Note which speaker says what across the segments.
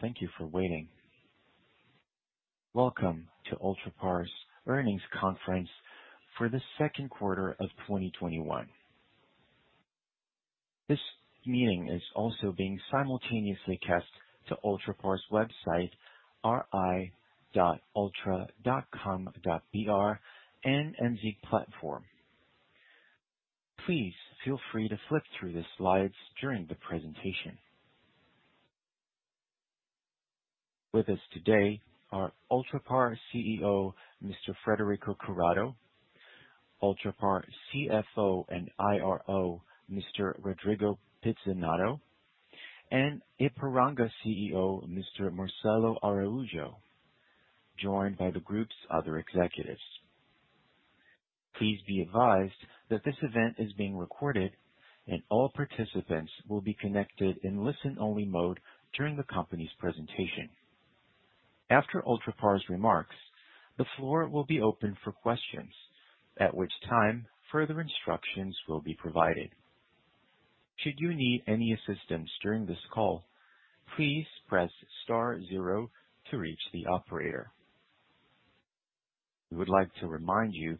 Speaker 1: Thank you for waiting. Welcome to Ultrapar's earnings conference for the Q2 of 2021. This meeting is also being simultaneously cast to ultrapar's website, ri.ultra.com.br and MZ platform. Please feel free to flip through the slides during the presentation. With us today are Ultrapar CEO, Mr. Frederico Curado, Ultrapar CFO and IRO, Mr. Rodrigo Pizzinatto, and Ipiranga CEO, Mr. Marcelo Araújo, joined by the group's other executives. Please be advised that this event is being recorded, and all participants will be connected in listen-only mode during the company's presentation. After Ultrapar's remarks, the floor will be open for questions, at which time, further instructions will be provided. Should you need any assistance during this call, please press star zero to reach the operator. We would like to remind you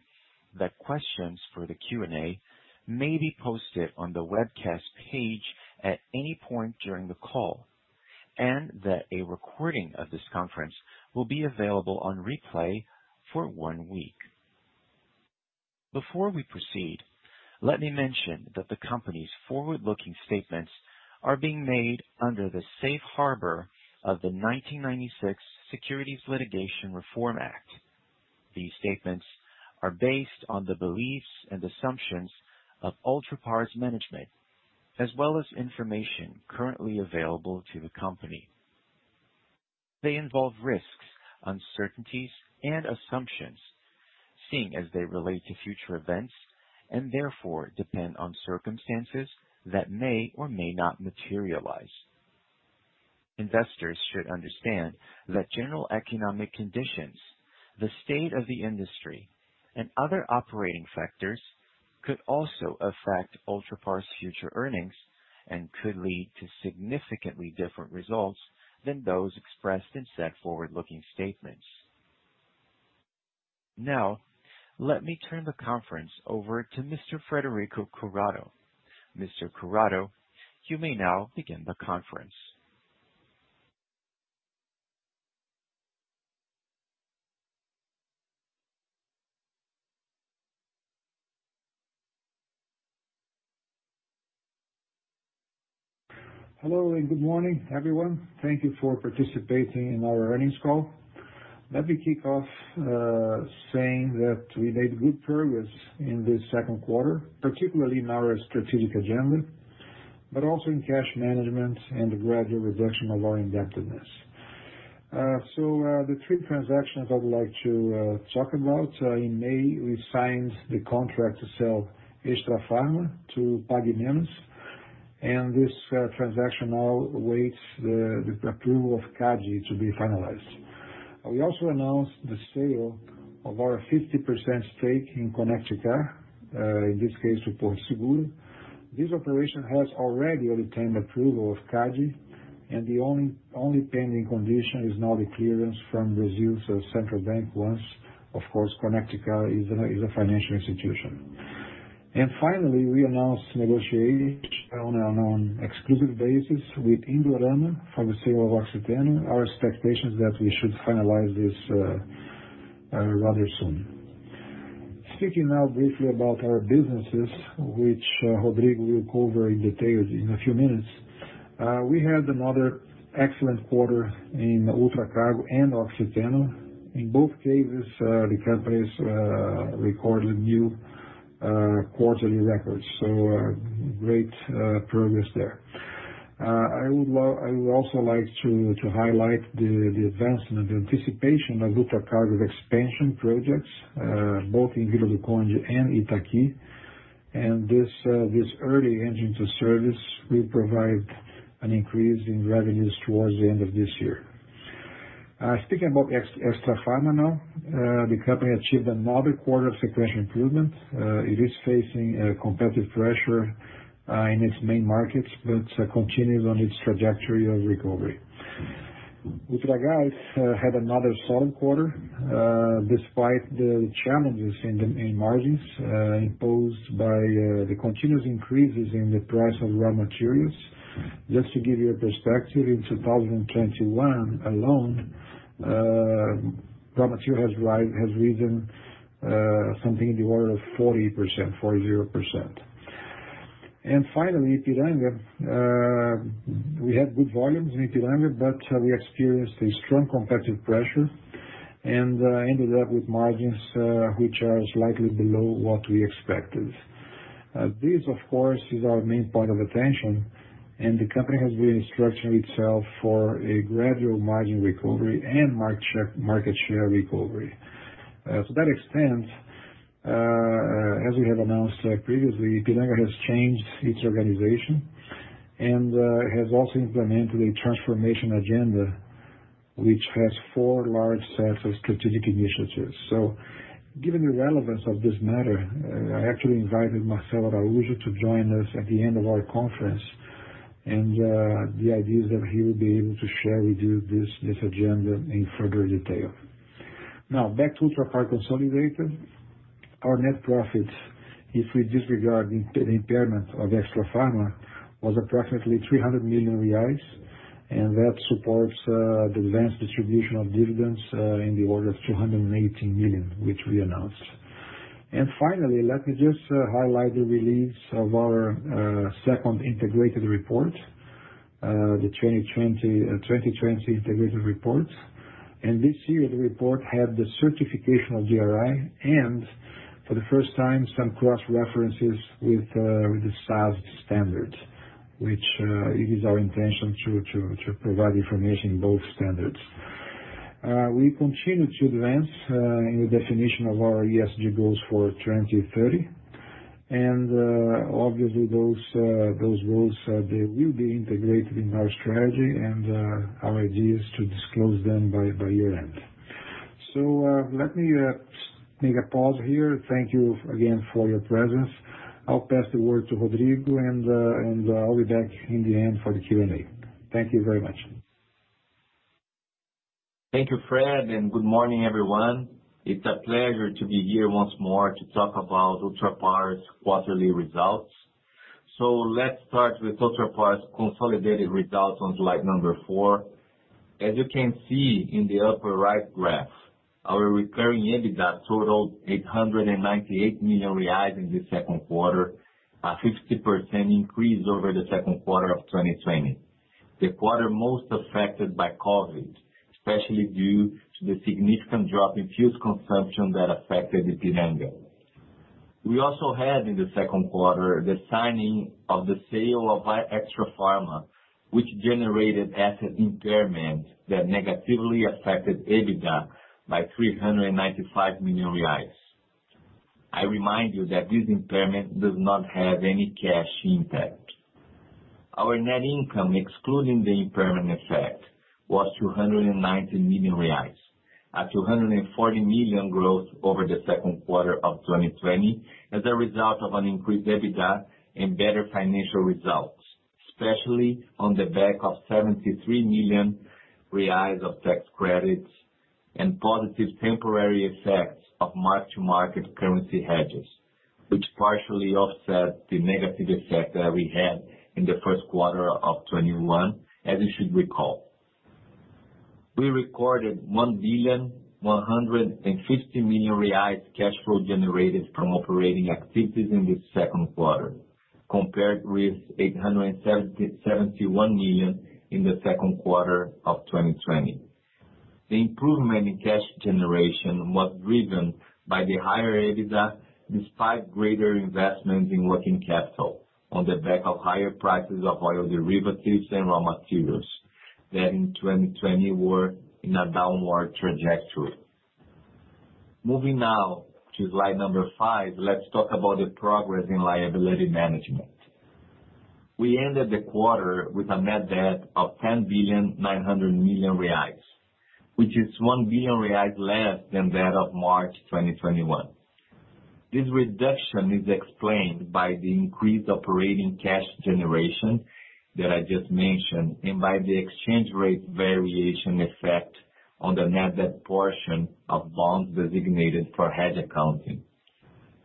Speaker 1: that questions for the Q&A may be posted on the webcast page at any point during the call, and that a recording of this conference will be available on replay for one week. Before we proceed, let me mention that the company's forward-looking statements are being made under the safe harbor of the 1996 Securities Litigation Reform Act. These statements are based on the beliefs and assumptions of Ultrapar's management, as well as information currently available to the company. They involve risks, uncertainties, and assumptions, seeing as they relate to future events, and therefore depend on circumstances that may or may not materialize. Investors should understand that general economic conditions, the state of the industry, and other operating factors could also affect Ultrapar's future earnings and could lead to significantly different results than those expressed in said forward-looking statements. Now, let me turn the conference over to Mr. Frederico Curado. Mr. Curado, you may now begin the conference.
Speaker 2: Hello, and good morning, everyone. Thank you for participating in our earnings call. Let me kick off saying that we made good progress in this Q2, particularly in our strategic agenda, but also in cash management and the gradual reduction of our indebtedness. The three transactions I would like to talk about. In May, we signed the contract to sell Extrafarma to Pague Menos, and this transaction now awaits the approval of CADE to be finalized. We also announced the sale of our 50% stake in ConectCar, in this case, to Porto Seguro. This operation has already obtained approval of CADE, and the only pending condition is now the clearance from the Central Bank of Brazil once, of course, ConectCar is a financial institution. Finally, we announced negotiation on an exclusive basis with Indorama for the sale of Oxiteno. Our expectation is that we should finalize this rather soon. Speaking now briefly about our businesses, which Rodrigo will cover in detail in a few minutes. We had another excellent quarter in Ultracargo and Oxiteno. In both cases, the companies recorded new quarterly records, so great progress there. I would also like to highlight the advancement of the anticipation of Ultracargo's expansion projects, both in Vila do Conde and Itaqui. This early engine to service will provide an increase in revenues towards the end of this year. Speaking about Extrafarma now, the company achieved another quarter of sequential improvement. It is facing competitive pressure in its main markets, but continues on its trajectory of recovery. Ultragaz had another solid quarter, despite the challenges in the main margins imposed by the continuous increases in the price of raw materials. Just to give you a perspective, in 2021 alone, raw material has risen something in the order of 40%. Finally, Ipiranga. We had good volumes in Ipiranga, but we experienced a strong competitive pressure and ended up with margins which are slightly below what we expected. This, of course, is our main point of attention, the company has been structuring itself for a gradual margin recovery and market share recovery. To that extent, as we have announced previously, Ipiranga has changed its organization and has also implemented a Transformation Agenda which has four large sets of strategic initiatives. Given the relevance of this matter, I actually invited Marcelo Araújo to join us at the end of our conference, the idea is that he will be able to share with you this agenda in further detail. Now back to Ultrapar consolidated. Our net profit, if we disregard the impairment of Extrafarma, was approximately 300 million reais. That supports the advanced distribution of dividends in the order of 218 million, which we announced. Finally, let me just highlight the release of our second integrated report, the 2020 integrated report. This year, the report had the certification of GRI and for the first time, some cross-references with the SASB Standard, which it is our intention to provide information in both standards. We continue to advance in the definition of our ESG goals for 2030. Obviously those goals they will be integrated in our strategy. Our idea is to disclose them by year-end. Let me make a pause here. Thank you again for your presence. I'll pass the word to Rodrigo, I'll be back in the end for the Q&A. Thank you very much.
Speaker 3: Thank you, Fred. Good morning, everyone. It's a pleasure to be here once more to talk about Ultrapar's quarterly results. Let's start with Ultrapar's consolidated results on slide number four. As you can see in the upper right graph, our recurring EBITDA totaled 898 million reais in the Q2, a 50% increase over the Q2 of 2020, the quarter most affected by COVID, especially due to the significant drop in fuel consumption that affected Ipiranga. We also had in the Q2, the signing of the sale of Extrafarma, which generated asset impairment that negatively affected EBITDA by 395 million reais. I remind you that this impairment does not have any cash impact. Our net income, excluding the impairment effect, was 290 million reais. At 240 million growth over the Q2 of 2020 as a result of an increased EBITDA and better financial results, especially on the back of 73 million reais of tax credits and positive temporary effects of mark-to-market currency hedges, which partially offset the negative effect that we had in the Q1 of 2021, as you should recall. We recorded 1,150 million reais cash flow generated from operating activities in the Q2, compared with 871 million in the Q2 of 2020. The improvement in cash generation was driven by the higher EBITDA, despite greater investments in working capital on the back of higher prices of oil derivatives and raw materials that in 2020 were in a downward trajectory. Moving now to slide 5, let's talk about the progress in liability management. We ended the quarter with a net debt of 10.9 billion, which is 1 billion reais less than that of March 2021. This reduction is explained by the increased operating cash generation that I just mentioned, and by the exchange rate variation effect on the net debt portion of bonds designated for hedge accounting.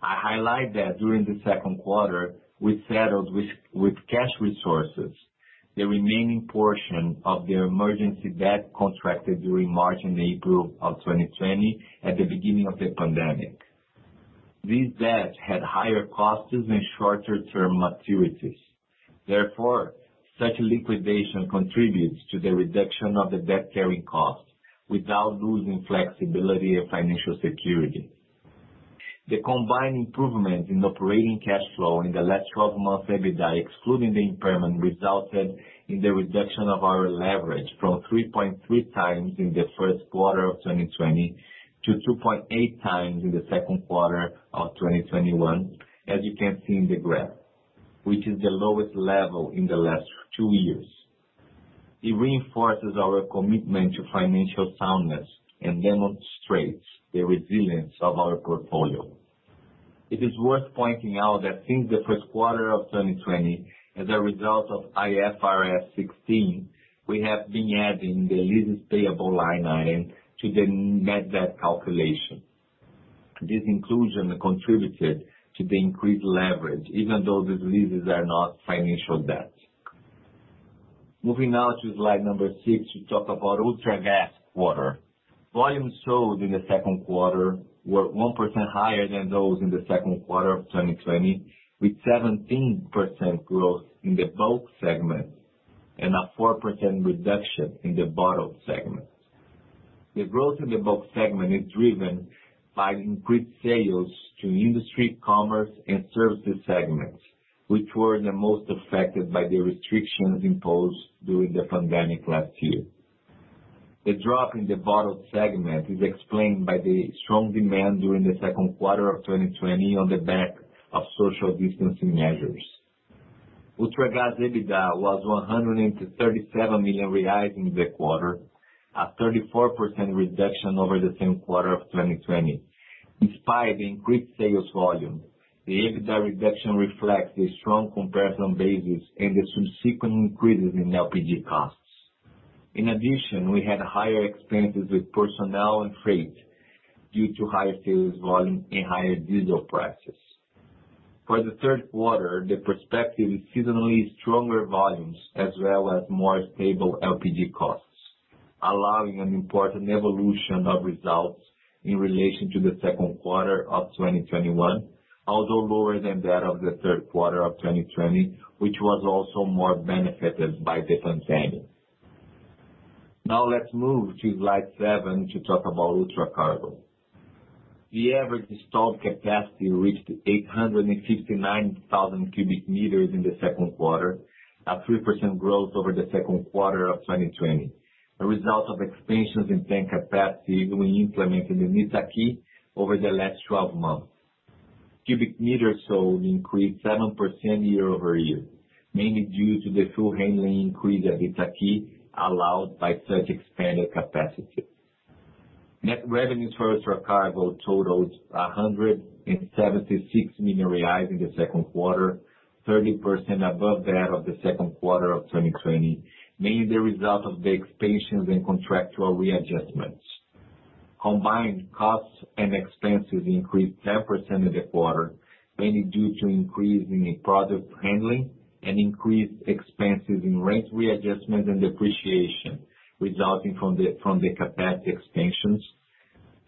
Speaker 3: I highlight that during the 2Q, we settled with cash resources the remaining portion of the emergency debt contracted during March and April of 2020 at the beginning of the pandemic. This debt had higher costs and shorter term maturities. Such liquidation contributes to the reduction of the debt-carrying cost without losing flexibility of financial security. The combined improvement in operating cash flow in the last 12 months, EBITDA, excluding the impairment, resulted in the reduction of our leverage from 3.3 times in the Q1 of 2020 to 2.8 times in the Q2 of 2021, as you can see in the graph, which is the lowest level in the last two years. It reinforces our commitment to financial soundness and demonstrates the resilience of our portfolio. It is worth pointing out that since the Q1 of 2020, as a result of IFRS 16, we have been adding the leases payable line item to the net debt calculation. This inclusion contributed to the increased leverage, even though these leases are not financial debt. Moving now to slide number six, to talk about Ultragaz quarter. Volumes sold in the Q2 were 1% higher than those in the Q2 of 2020, with 17% growth in the bulk segment and a 4% reduction in the bottled segment. The growth in the bulk segment is driven by increased sales to industry, commerce, and services segments, which were the most affected by the restrictions imposed during the pandemic last year. The drop in the bottled segment is explained by the strong demand during the Q2 of 2020 on the back of social distancing measures. Ultragaz EBITDA was 137 million reais in the quarter, a 34% reduction over the same quarter of 2020. Despite increased sales volume, the EBITDA reduction reflects the strong comparison basis and the subsequent increases in LPG costs. In addition, we had higher expenses with personnel and freight due to higher sales volume and higher diesel prices. For the Q3, the perspective is seasonally stronger volumes as well as more stable LPG costs, allowing an important evolution of results in relation to the Q2 of 2021, although lower than that of the Q3 of 2020, which was also more benefited by the pandemic. Now let's move to slide seven to talk about Ultracargo. The average installed capacity reached 859,000 cubic meters in the Q2, a 3% growth over the Q2 of 2020, a result of expansions in tank capacity we implemented in Itaqui over the last 12 months. Cubic meters sold increased 7% year-over-year, mainly due to the fuel handling increase at Itaqui allowed by such expanded capacity. Net revenues for Ultracargo totaled 176 million reais in the Q2, 30% above that of the Q2 of 2020, mainly the result of the expansions and contractual readjustments. Combined costs and expenses increased 10% in the quarter, mainly due to increase in product handling and increased expenses in rent readjustment and depreciation resulting from the capacity expansions,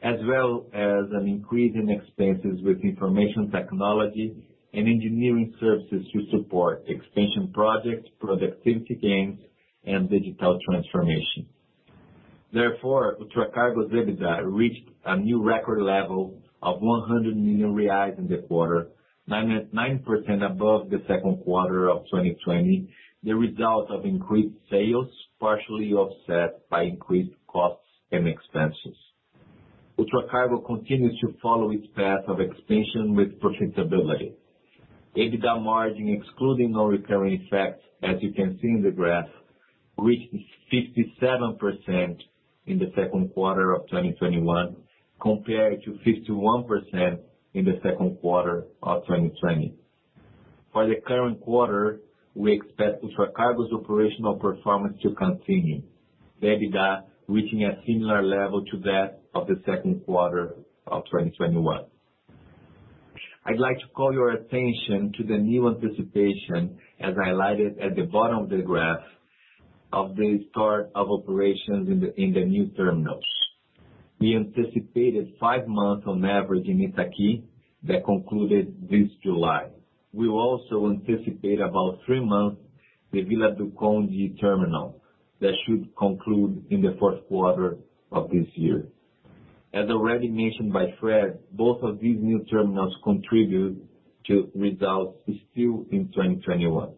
Speaker 3: as well as an increase in expenses with information technology and engineering services to support expansion projects, productivity gains, and digital transformation. Therefore, Ultracargo's EBITDA reached a new record level of 100 million reais in the quarter, 99% above the Q2 of 2020, the result of increased sales partially offset by increased costs and expenses. Ultracargo continues to follow its path of expansion with profitability. EBITDA margin, excluding non-recurring effects, as you can see in the graph, reached 57% in the Q2 of 2021 compared to 51% in the Q2 of 2020. For the current quarter, we expect Ultracargo's operational performance to continue, the EBITDA reaching a similar level to that of the Q2 of 2021. I'd like to call your attention to the new anticipation, as highlighted at the bottom of the graph, of the start of operations in the new terminals. We anticipated five months on average in Itaquí that concluded this July. We will also anticipate about three months the Vila do Conde terminal that should conclude in the Q4 of this year. As already mentioned by Fred, both of these new terminals contribute to results still in 2021.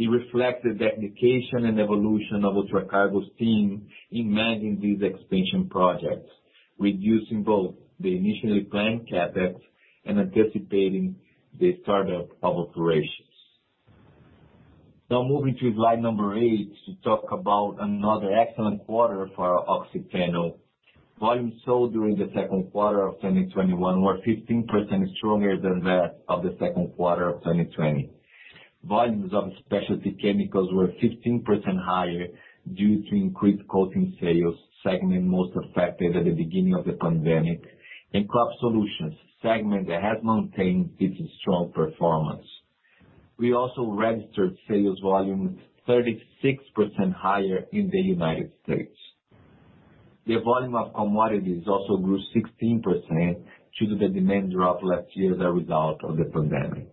Speaker 3: It reflects the dedication and evolution of Ultracargo's team in managing these expansion projects, reducing both the initially planned CapEx and anticipating the startup of operations. Now moving to slide number eight to talk about another excellent quarter for Oxiteno. Volumes sold during the Q2 of 2021 were 15% stronger than that of the Q2 of 2020. Volumes of specialty chemicals were 15% higher due to increased coating sales, segment most affected at the beginning of the pandemic, and crop solutions, segment that has maintained its strong performance. We also registered sales volume 36% higher in the U.S. The volume of commodities also grew 16% due to the demand drop last year as a result of the pandemic.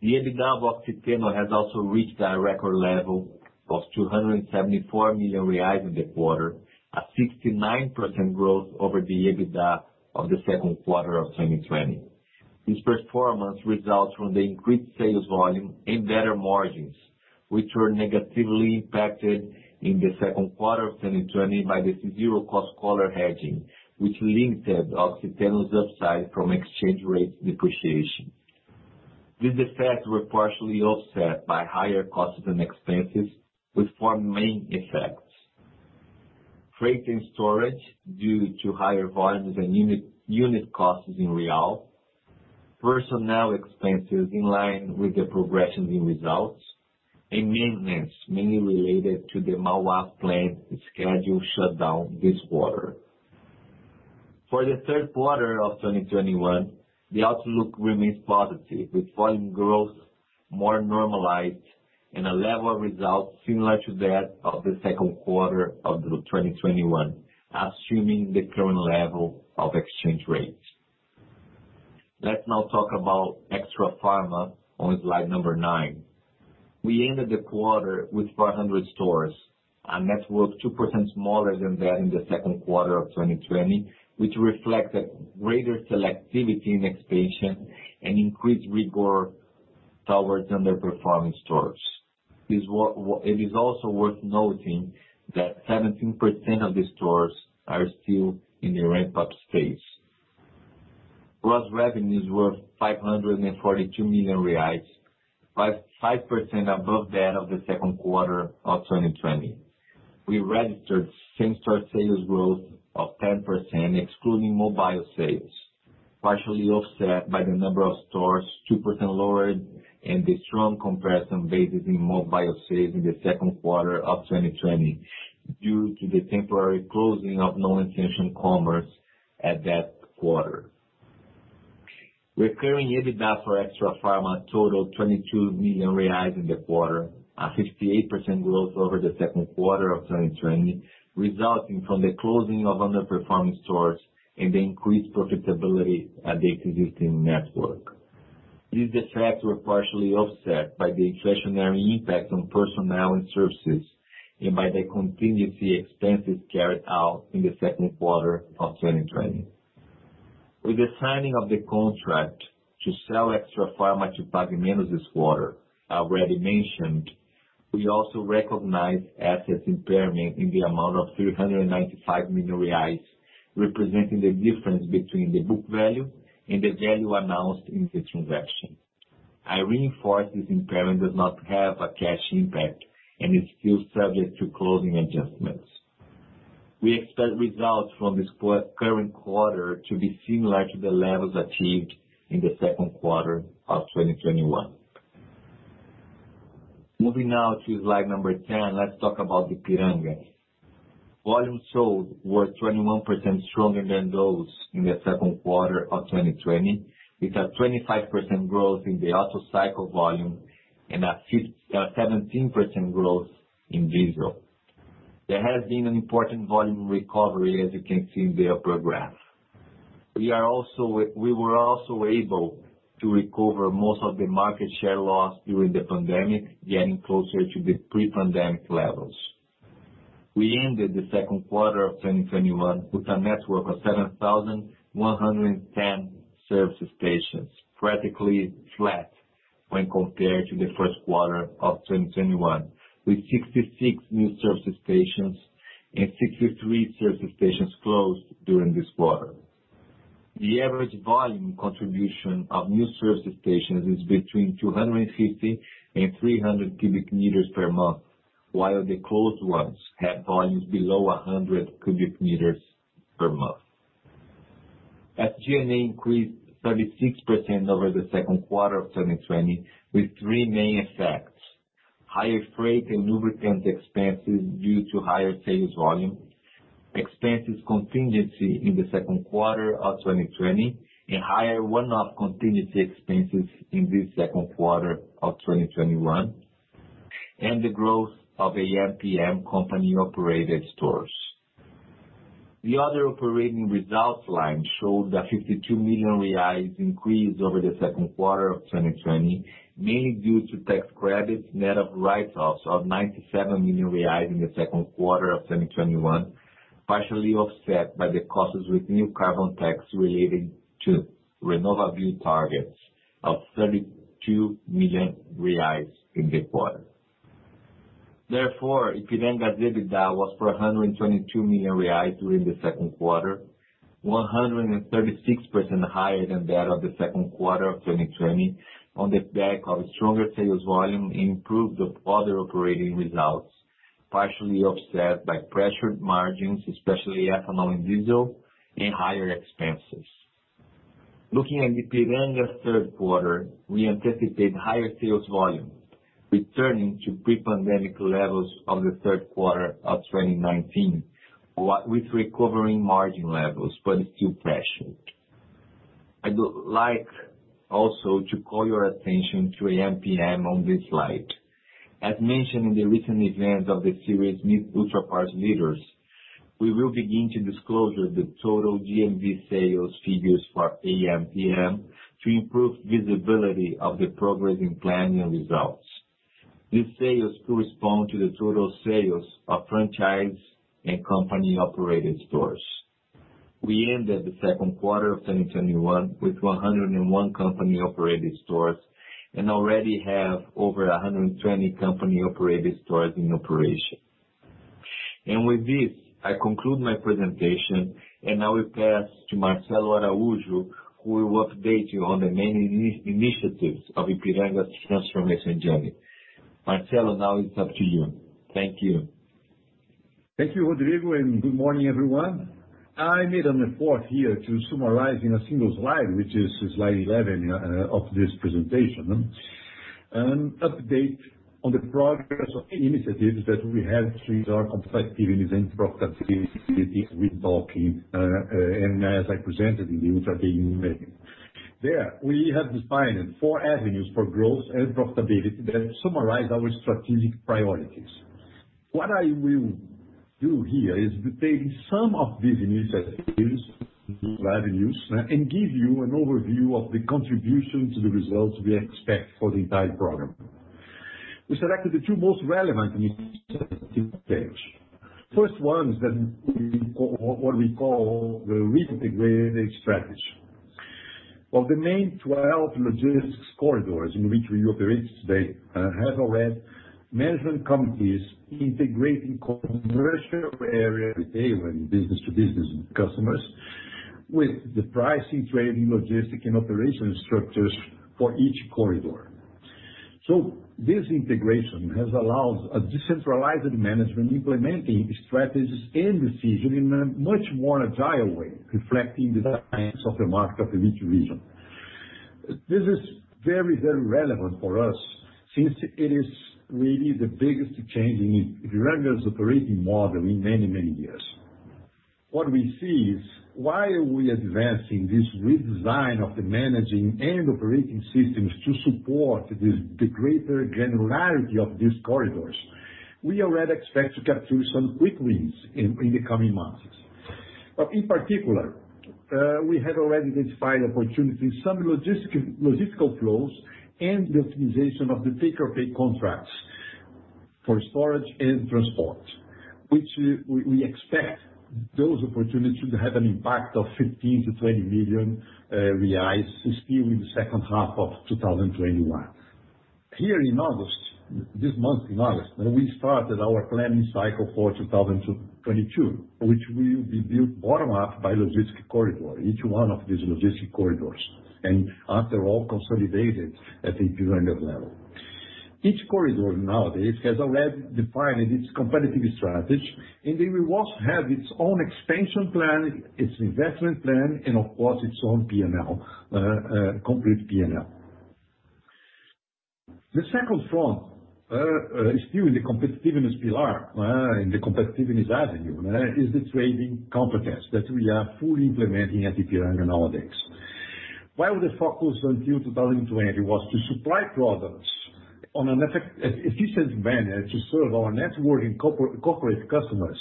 Speaker 3: The EBITDA of Oxiteno has also reached a record level of 274 million reais in the quarter, a 69% growth over the EBITDA of the Q2 of 2020. This performance results from the increased sales volume and better margins, which were negatively impacted in the Q2 of 2020 by the zero cost collar hedging, which limited Oxiteno's upside from exchange rate depreciation. These effects were partially offset by higher costs and expenses with four main effects. Freight and storage due to higher volumes and unit costs in BRL. Personnel expenses in line with the progression in results and maintenance mainly related to the Mauá plant scheduled shutdown this quarter. For the Q3 of 2021, the outlook remains positive with volume growth more normalized and a level of results similar to that of the Q2 of 2021, assuming the current level of exchange rates. Let's now talk about Extrafarma on slide number nine. We ended the quarter with 400 stores, a network 2% smaller than that in the Q2 of 2020, which reflects a greater selectivity in expansion and increased rigor towards underperforming stores. It is also worth noting that 17% of the stores are still in the ramp-up stage. Plus revenues were 542 million reais, 5% above that of the Q2 of 2020. We registered same-store sales growth of 10%, excluding mobile sales, partially offset by the number of stores 2% lower and the strong comparison basis in mobile sales in the Q2 of 2020 due to the temporary closing of non-essential commerce at that quarter. Recurrent EBITDA for Extrafarma total 22 million reais in the quarter, a 58% growth over the Q2 of 2020, resulting from the closing of underperforming stores and the increased profitability at the existing network. These effects were partially offset by the inflationary impact on personnel and services and by the contingency expenses carried out in the Q2 of 2020. With the signing of the contract to sell Extrafarma to Pague Menos this quarter, already mentioned, we also recognize assets impairment in the amount of 395 million reais, representing the difference between the book value and the value announced in the transaction. I reinforce this impairment does not have a cash impact and is still subject to closing adjustments. We expect results from this current quarter to be similar to the levels achieved in the Q2 of 2021. Moving now to slide 10, let's talk about the Ipiranga. Volumes sold were 21% stronger than those in the Q2 of 2020, with a 25% growth in the Otto cycle volume and a 17% growth in diesel. There has been an important volume recovery, as you can see in the upper graph. We were also able to recover most of the market share loss during the pandemic, getting closer to the pre-pandemic levels. We ended the Q2 of 2021 with a network of 7,110 service stations, practically flat when compared to the Q1 of 2021, with 66 new service stations and 63 service stations closed during this quarter. The average volume contribution of new service stations is between 250 and 300 cubic meters per month, while the closed ones have volumes below 100 cubic meters per month. SG&A increased 36% over the Q2 of 2020 with three main effects: higher freight and lubricant expenses due to higher sales volume, expenses contingency in the Q2 of 2020, and higher one-off contingency expenses in the Q2 of 2021, and the growth of AMPM company-operated stores. The other operating results line showed a 52 million reais increase over the Q2 of 2020, mainly due to tax credits net of write-offs of 97 million reais in the Q2 of 2021, partially offset by the costs with new carbon tax related to renewable targets of 32 million reais in the quarter. Ipiranga's EBITDA was BRL 122 million during the Q2, 136% higher than that of the Q2 of 2020 on the back of stronger sales volume and improved other operating results, partially offset by pressured margins, especially ethanol and diesel, and higher expenses. Looking at the Ipiranga Q3, we anticipate higher sales volume returning to pre-pandemic levels of the Q3 of 2019, with recovering margin levels, but still pressured. I'd like also to call your attention to AMPM on this slide. As mentioned in the recent events of the series Ultrapar's Leaders, we will begin to disclose the total GMV sales figures for AMPM to improve visibility of the progress in planning and results. These sales correspond to the total sales of franchise and company-operated stores. We ended the Q2 of 2021 with 101 company-operated stores and already have over 120 company-operated stores in operation. With this, I conclude my presentation, and now we pass to Marcelo Araújo, who will update you on the main initiatives of Ipiranga's transformation journey. Marcelo, now it's up to you. Thank you.
Speaker 4: Thank you, Rodrigo, good morning, everyone. I made an effort here to summarize in a single slide, which is slide 11 of this presentation. Update on the progress of initiatives that we have through our competitiveness and profitability with talking and as I presented in the Ultrapar Day. There, we have defined four avenues for growth and profitability that summarize our strategic priorities. What I will do here is detail some of these initiatives, new avenues, and give you an overview of the contribution to the results we expect for the entire program. We selected the two most relevant initiatives to discuss. First one is what we call the reintegrated strategy. Of the main 12 logistics corridors in which we operate today, have already management companies integrating commercial area retail and business-to-business customers with the pricing, trading, logistics, and operation structures for each corridor. This integration has allowed a decentralized management implementing strategies and decision in a much more agile way, reflecting the demands of the market of each region. This is very relevant for us since it is really the biggest change in the regular operating model in many years. What we see is while we're advancing this redesign of the managing and operating systems to support the greater granularity of these corridors, we already expect to capture some quick wins in the coming months. In particular, we have already identified opportunities, some logistical flows and the optimization of the take-or-pay contracts for storage and transport, which we expect those opportunities to have an impact of 15 million-20 million reais this year in the H2 of 2021. Here in August, this month in August, we started our planning cycle for 2022, which will be built bottom-up by logistic corridor, each one of these logistic corridors and after all consolidated at the UOL level. Each corridor nowadays has already defined its competitive strategy and it will also have its own expansion plan, its investment plan, and of course, its own complete P&L. The second front, still in the competitiveness pillar and the competitiveness avenue, is the trading competence that we are fully implementing at UOL nowadays. While the focus until 2020 was to supply products on an efficient manner to serve our networking corporate customers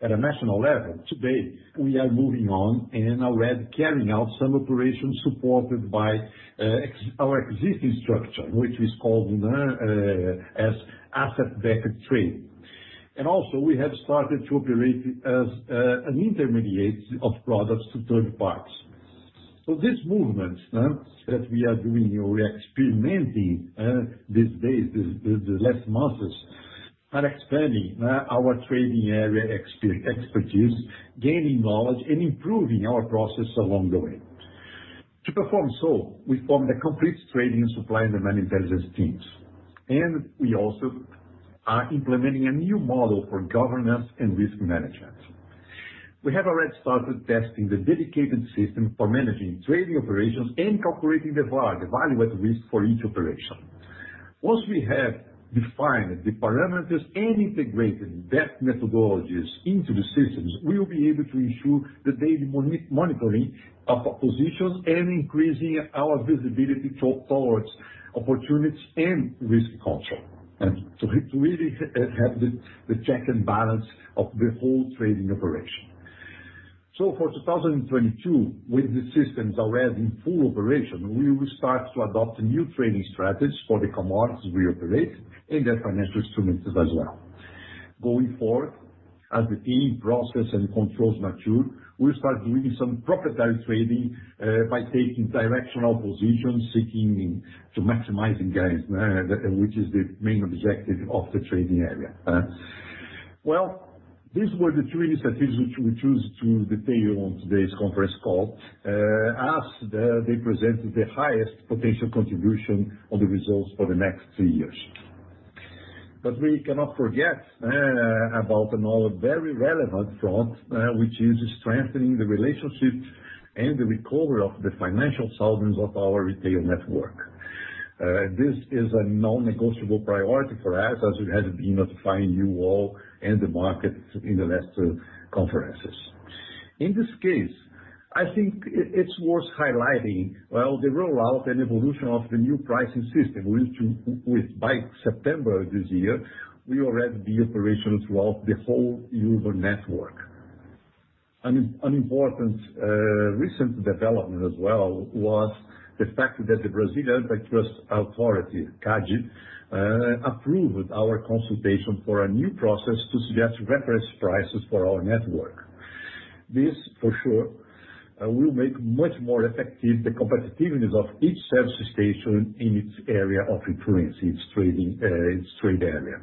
Speaker 4: at a national level, today we are moving on and already carrying out some operations supported by our existing structure, which is called as asset-backed trade. Also we have started to operate as an intermediary of products to third parties. This movement that we are doing or we're experimenting these days, the last months, are expanding our trading area expertise, gaining knowledge and improving our process along the way. To perform so, we formed a complete trading supply and demand intelligence teams. We also are implementing a new model for governance and risk management. We have already started testing the dedicated system for managing trading operations and calculating the VAR, the value at risk for each operation. Once we have defined the parameters and integrated that methodologies into the systems, we will be able to ensure the daily monitoring of positions and increasing our visibility towards opportunities and risk control. It really have the check and balance of the whole trading operation. For 2022, with the systems already in full operation, we will start to adopt new trading strategies for the commodities we operate and the financial instruments as well. Going forward, as the team process and controls mature, we'll start doing some proprietary trading by taking directional positions, seeking to maximizing gains which is the main objective of the trading area. These were the three initiatives which we chose to detail on today's conference call as they presented the highest potential contribution on the results for the next three years. We cannot forget about another very relevant front which is strengthening the relationships and the recovery of the financial solvency of our retail network. This is a non-negotiable priority for us as we have been notifying you all and the market in the last conferences. In this case, I think it's worth highlighting while the rollout and evolution of the new pricing system which by September this year will already be operational throughout the whole Ultrapar network. An important recent development as well was the fact that the Brazilian Antitrust Authority, CADE approved our consultation for a new process to suggest reference prices for our network. This for sure will make much more effective the competitiveness of each service station in its area of influence, its trade area.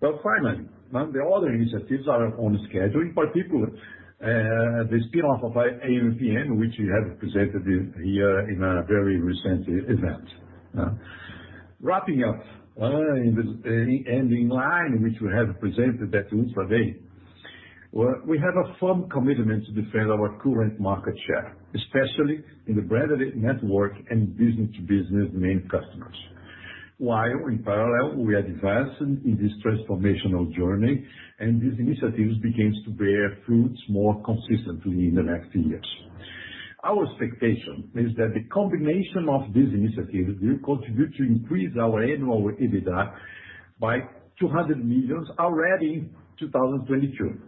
Speaker 4: Well finally, the other initiatives are on scheduling, particularly the spin-off of AMPM, which we have presented here in a very recent event. Wrapping up and in line which we have presented at Ultra Day, we have a firm commitment to defend our current market share, especially in the branded network and business-to-business main customers. While in parallel, we are advancing in this transformational journey and these initiatives begin to bear fruits more consistently in the next few years. Our expectation is that the combination of these initiatives will contribute to increase our annual EBITDA by 200 million already in 2022.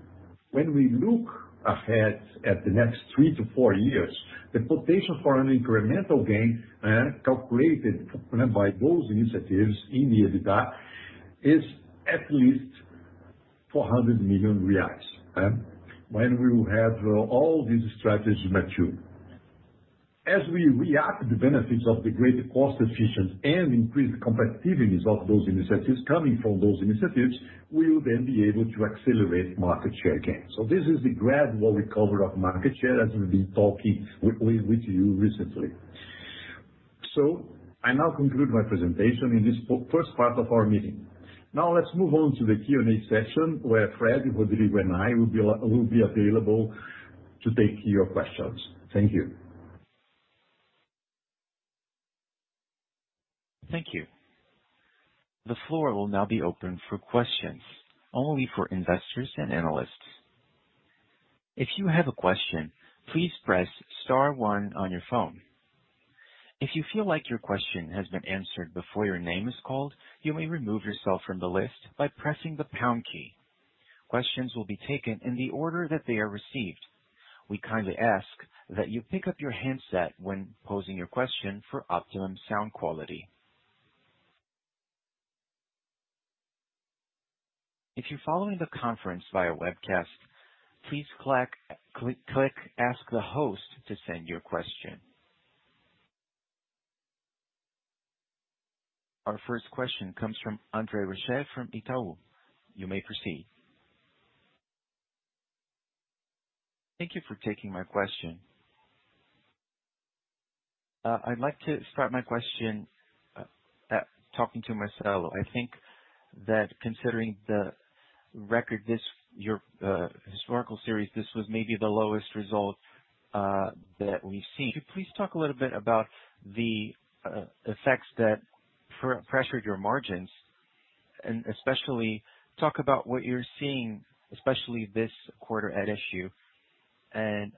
Speaker 4: We look ahead at the next three to four years, the potential for an incremental gain calculated by those initiatives in the EBITDA is at least 400 million reais when we will have all these strategies mature. As we reap the benefits of the great cost-efficient and increased competitiveness of those initiatives coming from those initiatives, we will then be able to accelerate market share again. This is the gradual recovery of market share as we've been talking with you recently. I now conclude my presentation in this first part of our meeting. Now let's move on to the Q&A session where Fred, Rodrigo, and I will be available to take your questions. Thank you.
Speaker 1: Thank you. The floor will now be open for questions only for investors and analysts. If you have a question, please press star one on your phone. If you feel like your question has been answered before your name is called, you may remove yourself from the list by pressing the pound key. Questions will be taken in the order they are received. We kindly ask that you pick up your handset when posing a question, for optimum sound quality. If you follow the conference by webcast, please ask the host to send your question. Our first question comes from André Rocha from Itaú. You may proceed.
Speaker 5: Thank you for taking my question. I'd like to start my question, talking to Marcelo. I think that considering the record, your historical series, this was maybe the lowest result that we've seen. Could you please talk a little bit about the effects that pressured your margins, and especially talk about what you're seeing, especially this quarter at Itaú, and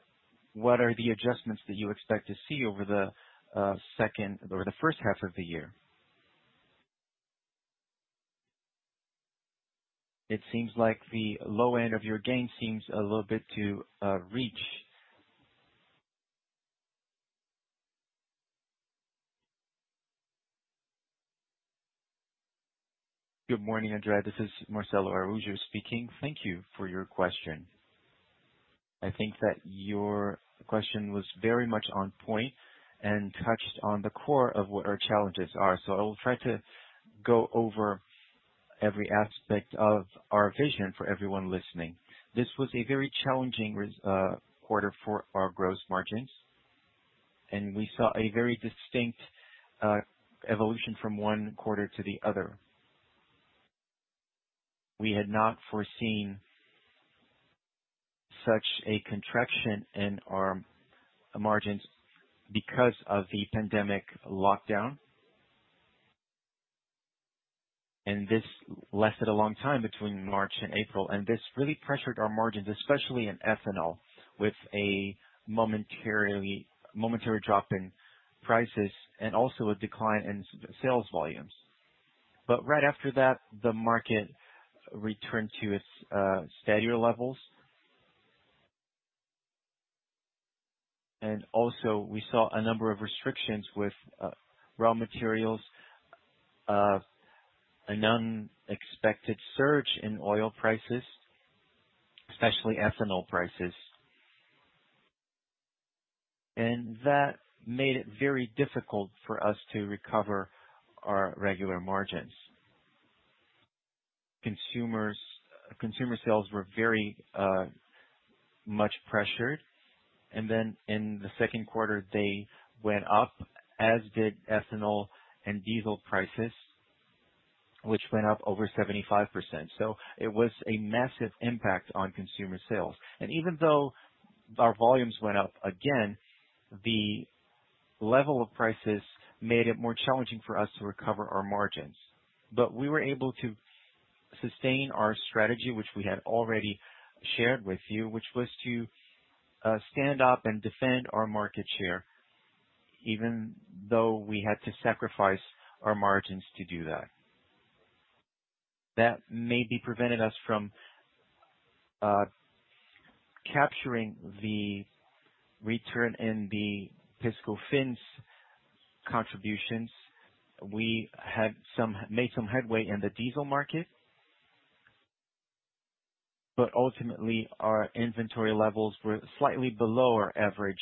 Speaker 5: what are the adjustments that you expect to see over the H1 of the year? It seems like the low end of your gain seems a little bit to reach.
Speaker 4: Good morning, André. This is Marcelo Araújo speaking. Thank you for your question. I think that your question was very much on point and touched on the core of what our challenges are. I will try to go over every aspect of our vision for everyone listening. This was a very challenging quarter for our gross margins, and we saw a very distinct evolution from one quarter to the other. We had not foreseen such a contraction in our margins because of the pandemic lockdown. This lasted a long time between March and April, and this really pressured our margins, especially in ethanol, with a momentary drop in prices and also a decline in sales volumes. Right after that, the market returned to its steadier levels. Also we saw a number of restrictions with raw materials, an unexpected surge in oil prices, especially ethanol prices. That made it very difficult for us to recover our regular margins. Consumer sales were very much pressured, and then in the Q2, they went up as did ethanol and diesel prices, which went up over 75%. It was a massive impact on consumer sales. Even though our volumes went up again, the level of prices made it more challenging for us to recover our margins. We were able to sustain our strategy, which we had already shared with you, which was to stand up and defend our market share, even though we had to sacrifice our margins to do that. That maybe prevented us from capturing the return in the PIS/COFINS contributions. We made some headway in the diesel market, but ultimately our inventory levels were slightly below our average,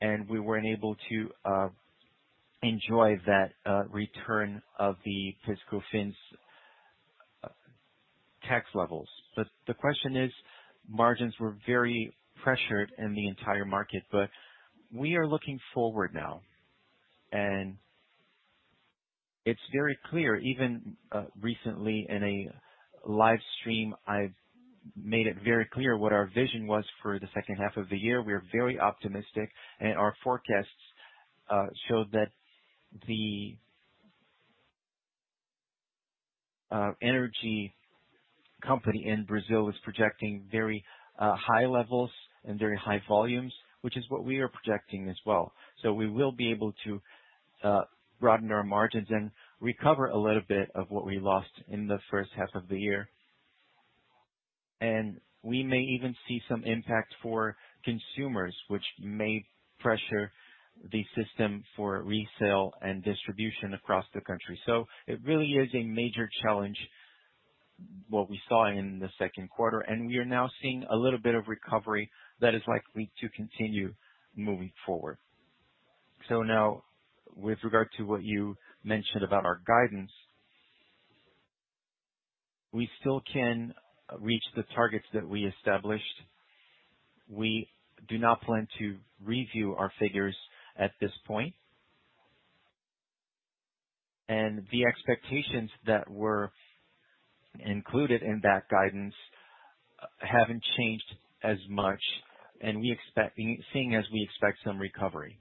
Speaker 4: and we weren't able to enjoy that return of the PIS/COFINS tax levels. The question is, margins were very pressured in the entire market, but we are looking forward now, and it's very clear. Even recently in a live stream, I've made it very clear what our vision was for the H2 of the year. We are very optimistic. Our forecasts show that the energy company in Brazil is projecting very high levels and very high volumes, which is what we are projecting as well. We will be able to broaden our margins and recover a little bit of what we lost in the H1 of the year. We may even see some impact for consumers, which may pressure the system for resale and distribution across the country. It really is a major challenge, what we saw in the Q2, and we are now seeing a little bit of recovery that is likely to continue moving forward. Now with regard to what you mentioned about our guidance, we still can reach the targets that we established. We do not plan to review our figures at this point. The expectations that were included in that guidance haven't changed as much, seeing as we expect some recovery.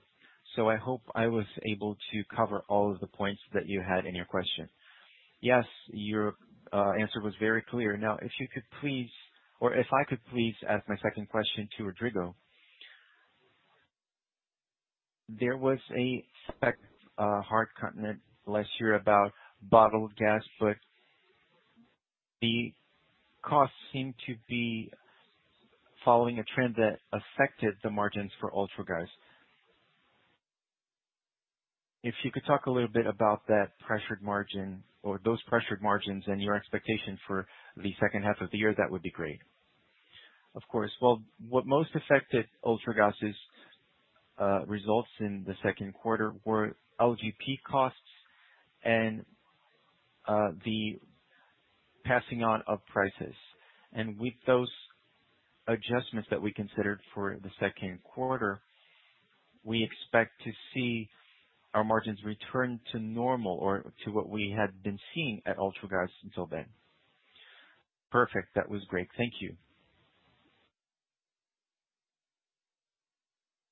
Speaker 4: I hope I was able to cover all of the points that you had in your question.
Speaker 5: Yes, your answer was very clear. If I could please ask my second question to Rodrigo. There was a specific high cost last year about bottled gas, but the costs seem to be following a trend that affected the margins for Ultragaz. If you could talk a little bit about that pressured margin or those pressured margins and your expectation for the H2 of the year, that would be great.
Speaker 3: Of course. What most affected Ultragaz's results in the Q2 were LPG costs and the passing on of prices. With those adjustments that we considered for the Q2, we expect to see our margins return to normal or to what we had been seeing at Ultragaz until then.
Speaker 5: Perfect. That was great. Thank you.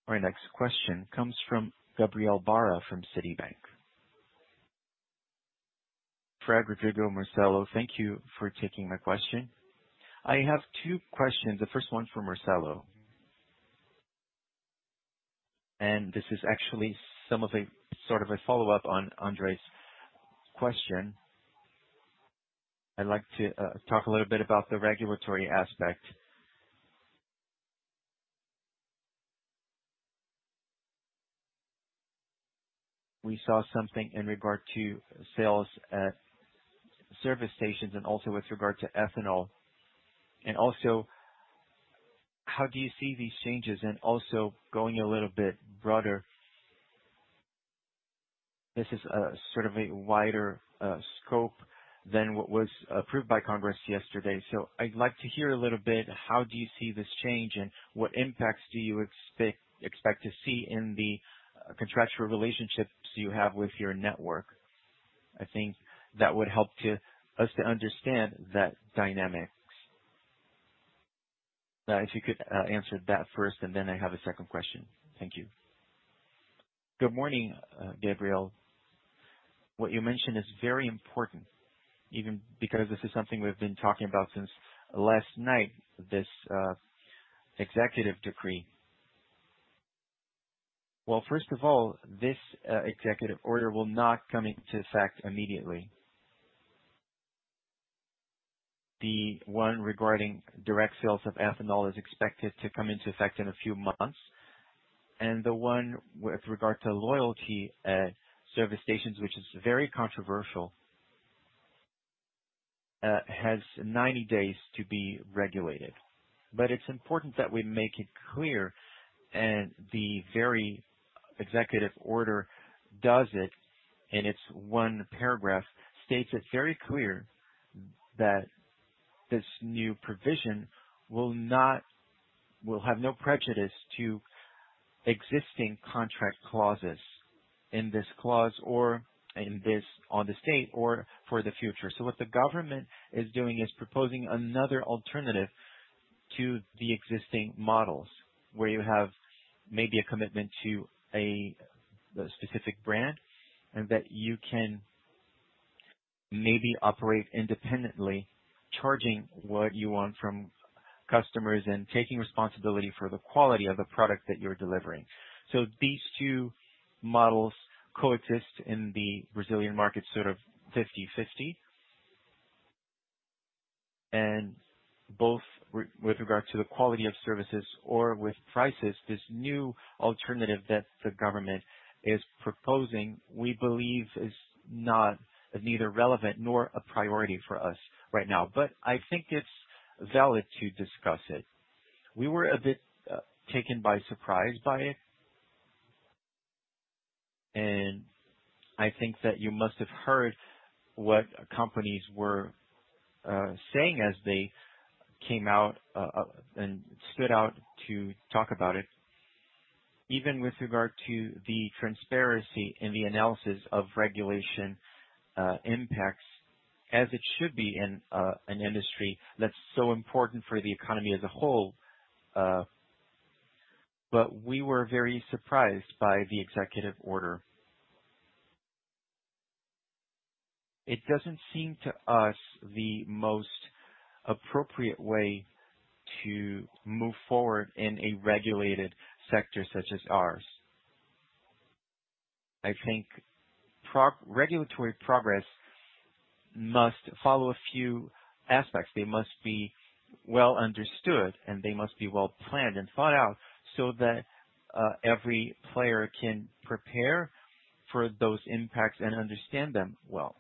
Speaker 1: Our next question comes from Gabriel Barra from Citibank.
Speaker 6: Fred, Rodrigo, Marcelo, thank you for taking my question. I have two questions. The first one for Marcelo, and this is actually sort of a follow-up on André's question. I'd like to talk a little bit about the regulatory aspect. We saw something in regard to sales at service stations and also with regard to ethanol. Also, how do you see these changes? Also going a little bit broader, this is a sort of a wider scope than what was approved by Congress yesterday. I'd like to hear a little bit, how do you see this change, and what impacts do you expect to see in the contractual relationships you have with your network? I think that would help us to understand that dynamics. If you could answer that first, and then I have a second question. Thank you.
Speaker 4: Good morning, Gabriel. What you mentioned is very important, even because this is something we've been talking about since last night, this executive decree. First of all, this executive order will not come into effect immediately. The one regarding direct sales of ethanol is expected to come into effect in a few months, and the one with regard to loyalty at service stations, which is very controversial, has 90 days to be regulated. It's important that we make it clear, and the very executive order does it in it's one paragraph, states it very clear that this new provision will have no prejudice to existing contract clauses in this clause or on the state or for the future. What the government is doing is proposing another alternative to the existing models, where you have maybe a commitment to a specific brand and that you can maybe operate independently, charging what you want from customers and taking responsibility for the quality of the product that you're delivering. Both with regard to the quality of services or with prices, this new alternative that the government is proposing, we believe is neither relevant nor a priority for us right now. I think it's valid to discuss it. We were a bit taken by surprise by it. I think that you must have heard what companies were saying as they came out and stood out to talk about it, even with regard to the transparency in the analysis of regulation impacts as it should be in an industry that's so important for the economy as a whole. We were very surprised by the executive order. It doesn't seem to us the most appropriate way to move forward in a regulated sector such as ours. I think regulatory progress must follow a few aspects. They must be well understood, and they must be well planned and thought out so that every player can prepare for those impacts and understand them well.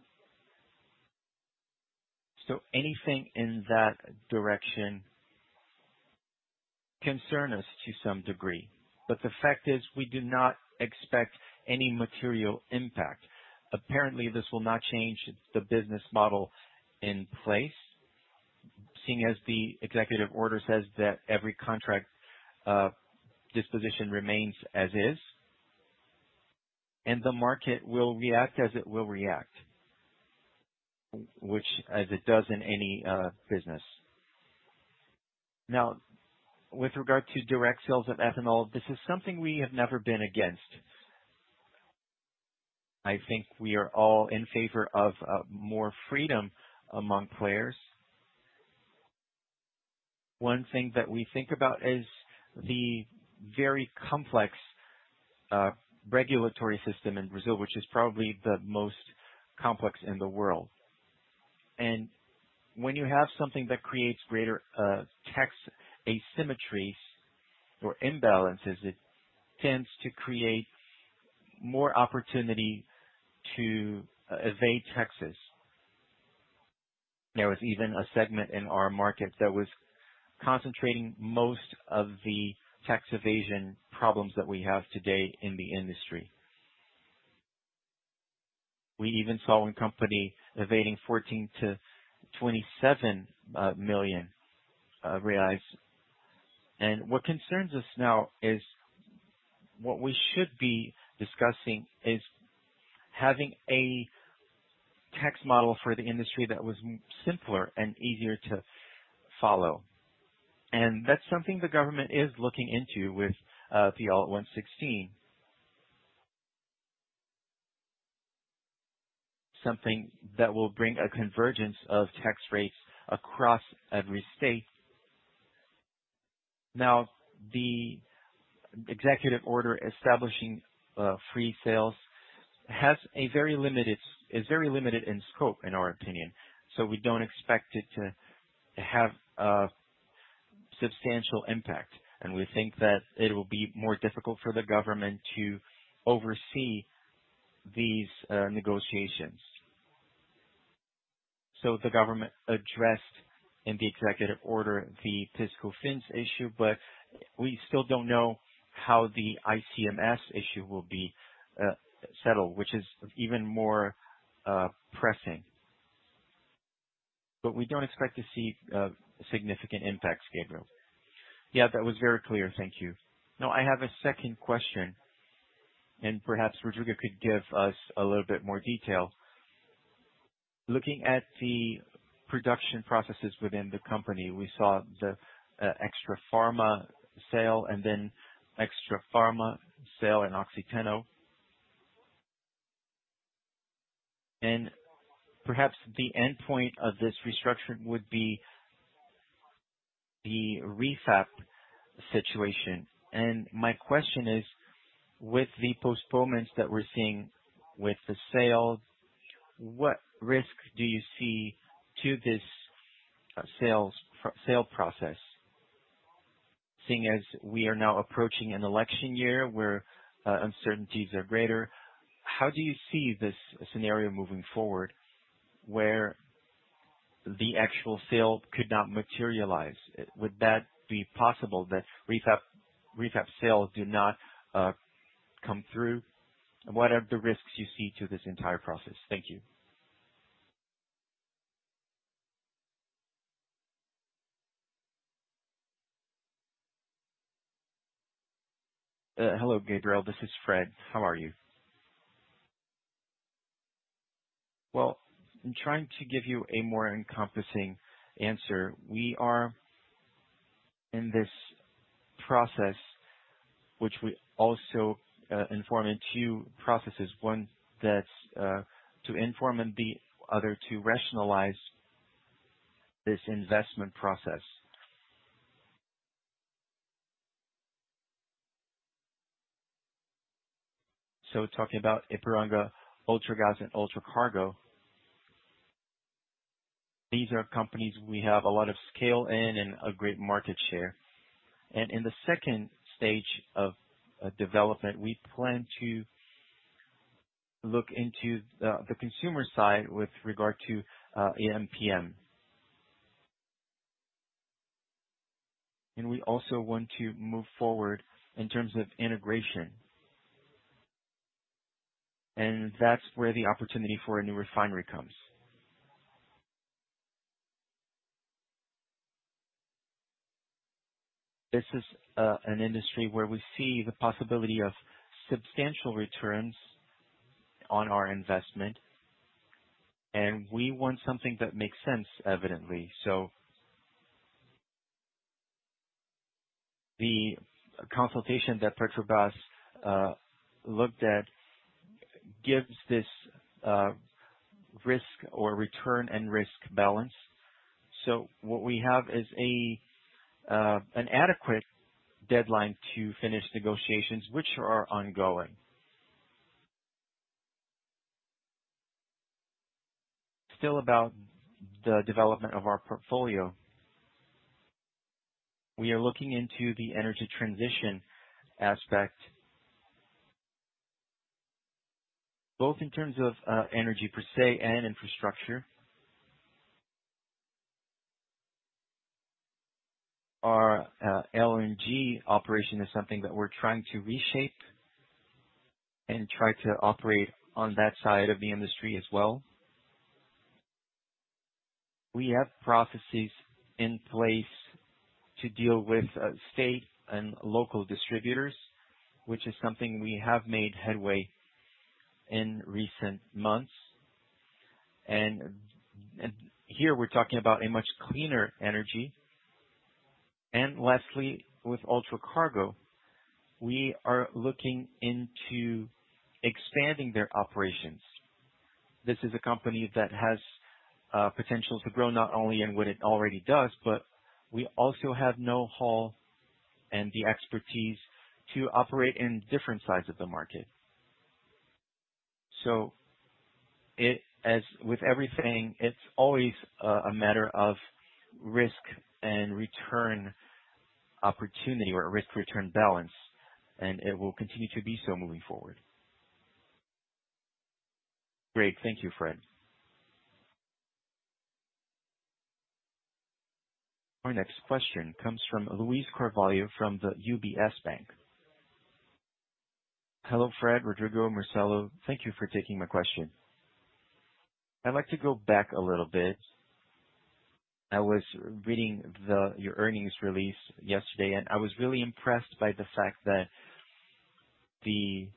Speaker 4: Anything in that direction concerns us to some degree. The fact is we do not expect any material impact. Apparently, this will not change the business model in place, seeing as the executive order says that every contract disposition remains as is. The market will react as it will react, which as it does in any business. Now, with regard to direct sales of ethanol, this is something we have never been against. I think we are all in favor of more freedom among players. One thing that we think about is the very complex regulatory system in Brazil, which is probably the most complex in the world. When you have something that creates greater tax asymmetries or imbalances, it tends to create more opportunity to evade taxes. There was even a segment in our market that was concentrating most of the tax evasion problems that we have today in the industry. We even saw one company evading 14 million-27 million reais. What concerns us now is what we should be discussing is having a tax model for the industry that was simpler and easier to follow. That's something the government is looking into with PL 116. Something that will bring a convergence of tax rates across every state. The executive order establishing free sales is very limited in scope, in our opinion. We don't expect it to have a substantial impact, and we think that it will be more difficult for the government to oversee these negotiations. The government addressed in the executive order the PIS/COFINS issue, but we still don't know how the ICMS issue will be settled, which is even more pressing. We don't expect to see significant impacts, Gabriel.
Speaker 6: Yeah, that was very clear. Thank you. I have a second question, and perhaps Rodrigo could give us a little bit more detail. Looking at the production processes within the company, we saw the Extrafarma sale and Oxiteno. Perhaps the endpoint of this restructuring would be the REFAP situation. My question is, with the postponements that we're seeing with the sales, what risk do you see to this sale process? Seeing as we are now approaching an election year where uncertainties are greater, how do you see this scenario moving forward where the actual sale could not materialize? Would that be possible that REFAP sales do not come through? What are the risks you see to this entire process? Thank you.
Speaker 2: Hello, Gabriel. This is Fred. How are you? Well, in trying to give you a more encompassing answer, we are in this process, which we also inform in two processes, one that's to inform and the other to rationalize this investment process. Talking about Ipiranga, Ultragaz, and Ultracargo, these are companies we have a lot of scale in and a great market share. In the second stage of development, we plan to look into the consumer side with regard to AMPM. We also want to move forward in terms of integration. That's where the opportunity for a new refinery comes. This is an industry where we see the possibility of substantial returns on our investment, and we want something that makes sense, evidently. The consultation that Petrobras looked at gives this risk or return and risk balance. What we have is an adequate deadline to finish negotiations, which are ongoing. Still about the development of our portfolio. We are looking into the energy transition aspect, both in terms of energy per se and infrastructure. Our LNG operation is something that we're trying to reshape and try to operate on that side of the industry as well. We have processes in place to deal with state and local distributors, which is something we have made headway in recent months. Here we're talking about a much cleaner energy. Lastly, with Ultracargo, we are looking into expanding their operations. This is a company that has potential to grow not only in what it already does, but we also have know-how and the expertise to operate in different sides of the market. As with everything, it's always a matter of risk and return opportunity or risk-return balance, and it will continue to be so moving forward.
Speaker 6: Great. Thank you, Fred.
Speaker 1: Our next question comes from Luiz Carvalho from the UBS Bank.
Speaker 7: Hello, Fred, Rodrigo, Marcelo. Thank you for taking my question. I'd like to go back a little bit. I was reading your earnings release yesterday. I was really impressed by the fact that the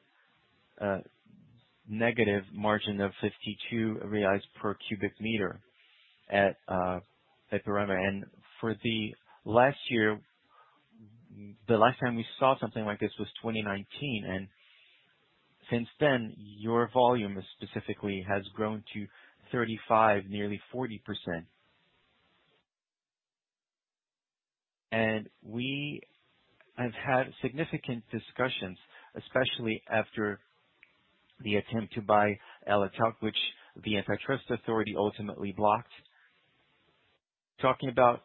Speaker 7: negative margin of R$52 per cubic meter at Ipiranga. For the last year, the last time we saw something like this was 2019, and since then, your volume specifically has grown to 35%, nearly 40%. We have had significant discussions, especially after the attempt to buy Alesat, which the antitrust authority ultimately blocked, talking about,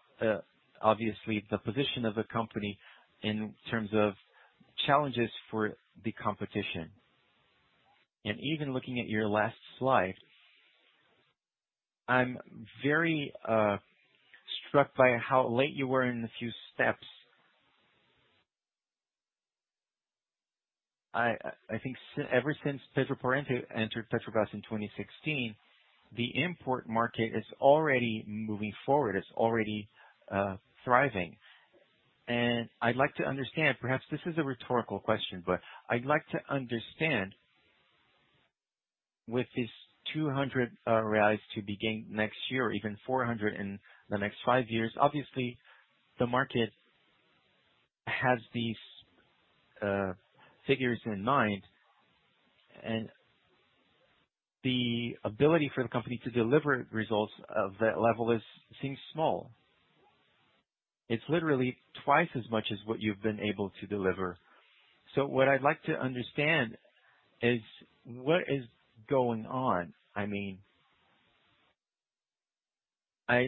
Speaker 7: obviously, the position of the company in terms of challenges for the competition. Even looking at your last slide, I'm very struck by how late you were in a few steps. I think ever since Pedro Parente entered Petrobras in 2016, the import market is already moving forward. It's already thriving. I'd like to understand, perhaps this is a rhetorical question, but I'd like to understand with this 200 reais to begin next year, even 400 in the next five years, obviously the market has these figures in mind, and the ability for the company to deliver results of that level seems small. It's literally twice as much as what you've been able to deliver. What I'd like to understand is what is going on. I'd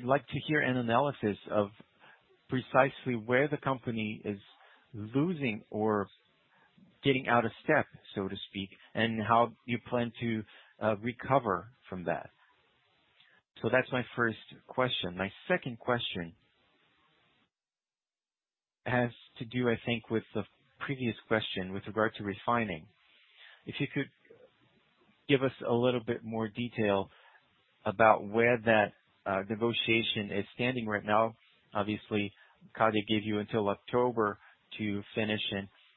Speaker 7: like to hear an analysis of precisely where the company is losing or getting out of step, so to speak, and how you plan to recover from that. That's my first question. My second question has to do, I think, with the previous question with regard to refining. If you could give us a little bit more detail about where that negotiation is standing right now. Obviously, CADE gave you until October to finish.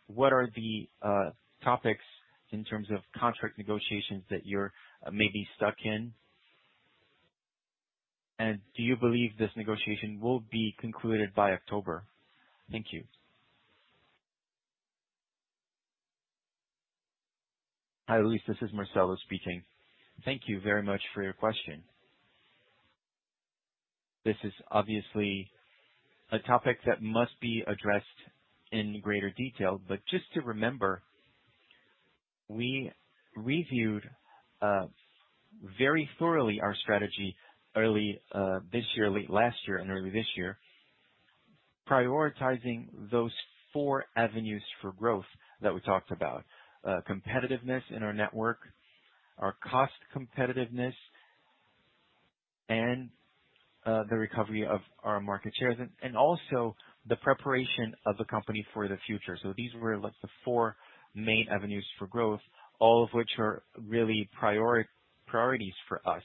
Speaker 7: What are the topics in terms of contract negotiations that you're maybe stuck in? Do you believe this negotiation will be concluded by October? Thank you.
Speaker 4: Hi, Luiz. This is Marcelo speaking. Thank you very much for your question. This is obviously a topic that must be addressed in greater detail, but just to remember, we reviewed very thoroughly our strategy late last year and early this year, prioritizing those four avenues for growth that we talked about. Competitiveness in our network, our cost competitiveness and the recovery of our market shares, and also the preparation of the company for the future. These were the four main avenues for growth, all of which are really priorities for us.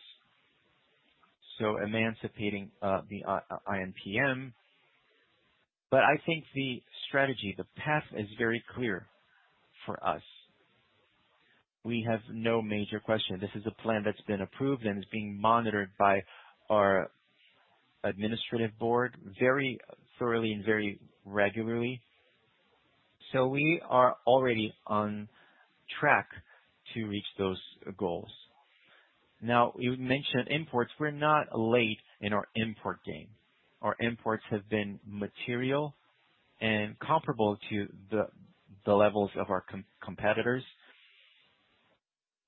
Speaker 4: Emancipating the INPM. I think the strategy, the path is very clear for us. We have no major question. This is a plan that's been approved and is being monitored by our administrative board very thoroughly and very regularly. We are already on track to reach those goals. You mentioned imports. We're not late in our import game. Our imports have been material and comparable to the levels of our competitors.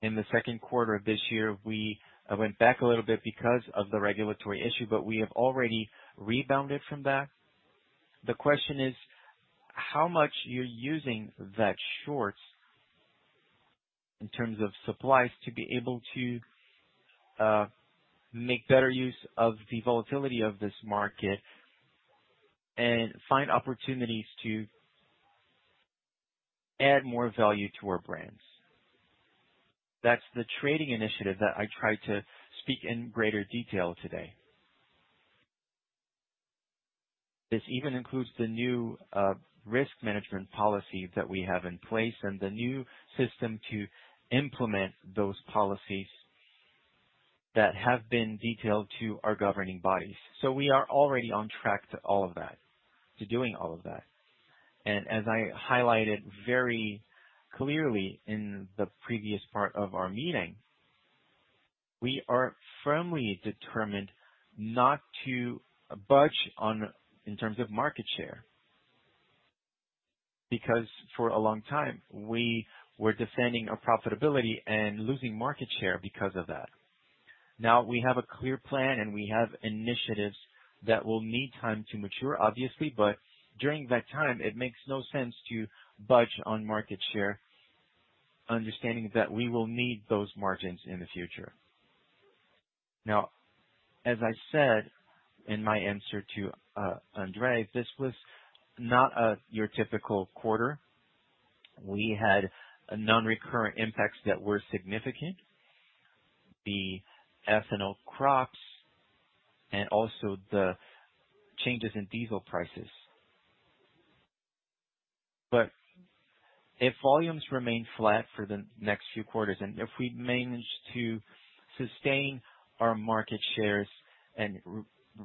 Speaker 4: In the Q2 of this year, we went back a little bit because of the regulatory issue, but we have already rebounded from that. The question is how much you're using that short in terms of supplies to be able to make better use of the volatility of this market and find opportunities to add more value to our brands. That's the trading initiative that I tried to speak in greater detail today. This even includes the new risk management policy that we have in place and the new system to implement those policies that have been detailed to our governing bodies. We are already on track to doing all of that. As I highlighted very clearly in the previous part of our meeting, we are firmly determined not to budge in terms of market share, because for a long time, we were defending our profitability and losing market share because of that. We have a clear plan, and we have initiatives that will need time to mature, obviously, but during that time, it makes no sense to budge on market share, understanding that we will need those margins in the future. As I said in my answer to André, this was not your typical quarter. We had non-recurrent impacts that were significant. The ethanol crops and also the changes in diesel prices. If volumes remain flat for the next few quarters, and if we manage to sustain our market shares and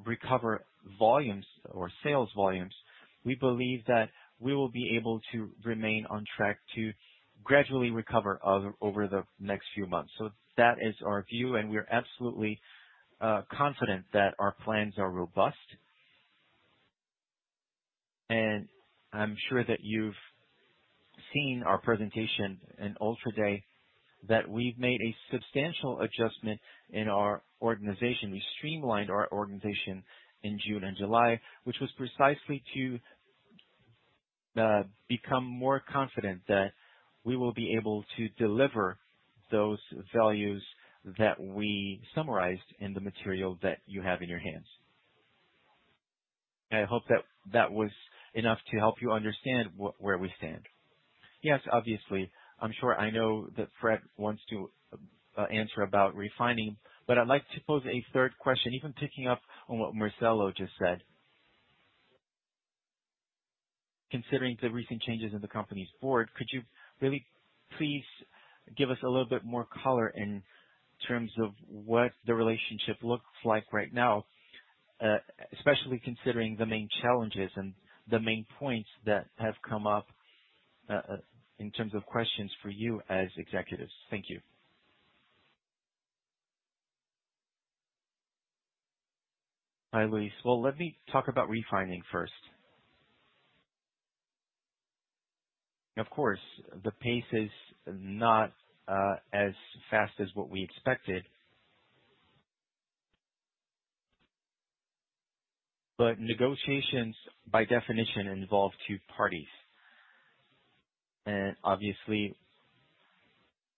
Speaker 4: recover volumes or sales volumes, we believe that we will be able to remain on track to gradually recover over the next few months. That is our view, and we are absolutely confident that our plans are robust. I'm sure that you've seen our presentation in Ultra Day, that we've made a substantial adjustment in our organization. We streamlined our organization in June and July, which was precisely to become more confident that we will be able to deliver those values that we summarized in the material that you have in your hands. I hope that was enough to help you understand where we stand.
Speaker 7: Yes, obviously, I'm sure I know that Fred wants to answer about refining. I'd like to pose a third question, even picking up on what Marcelo just said. Considering the recent changes in the company's board, could you really please give us a little bit more color in terms of what the relationship looks like right now, especially considering the main challenges and the main points that have come up, in terms of questions for you as executives? Thank you.
Speaker 2: Hi, Luiz. Well, let me talk about refining first. Of course, the pace is not as fast as what we expected. Negotiations by definition involve two parties. Obviously,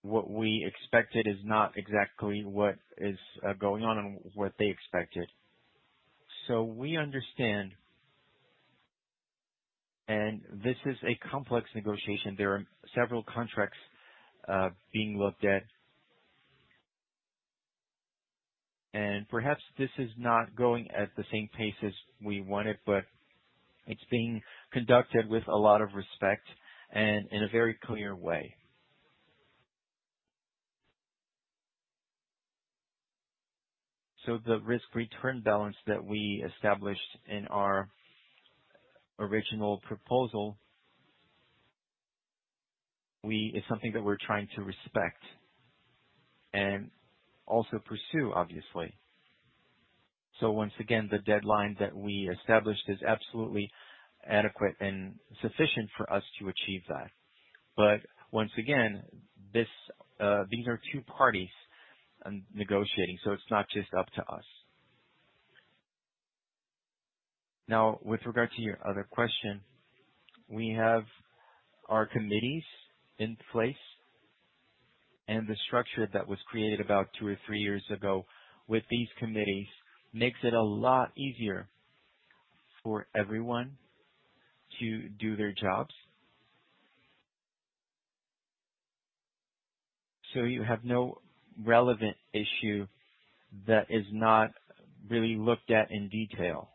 Speaker 2: what we expected is not exactly what is going on and what they expected. We understand, this is a complex negotiation. There are several contracts being looked at. Perhaps this is not going at the same pace as we want it, but it's being conducted with a lot of respect and in a very clear way. The risk-return balance that we established in our original proposal is something that we're trying to respect and also pursue, obviously. Once again, the deadline that we established is absolutely adequate and sufficient for us to achieve that. Once again, these are two parties negotiating, so it's not just up to us. Now, with regard to your other question, we have our committees in place, and the structure that was created about two or three years ago with these committees makes it a lot easier for everyone to do their jobs. You have no relevant issue that is not really looked at in detail.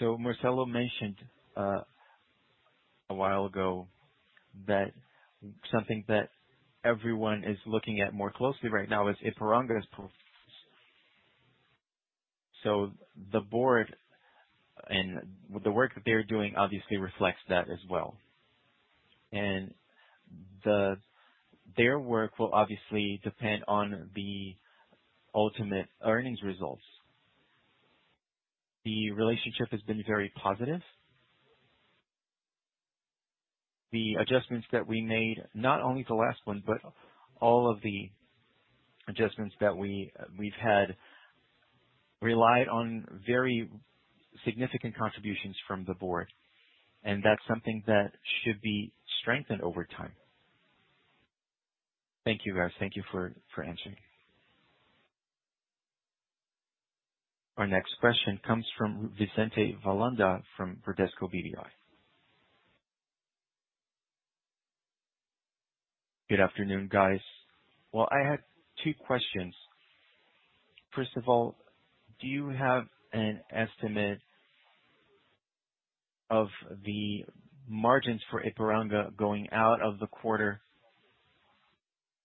Speaker 2: Marcelo mentioned a while ago that something that everyone is looking at more closely right now is Ipiranga's. The board and the work that they're doing obviously reflects that as well. Their work will obviously depend on the ultimate earnings results. The relationship has been very positive. The adjustments that we made, not only the last one, but all of the adjustments that we've had, relied on very significant contributions from the board, and that's something that should be strengthened over time.
Speaker 7: Thank you, guys. Thank you for answering.
Speaker 1: Our next question comes from Vicente Falanga from Bradesco BBI.
Speaker 8: Good afternoon, guys. Well, I have two questions. First of all, do you have an estimate of the margins for Ipiranga going out of the quarter?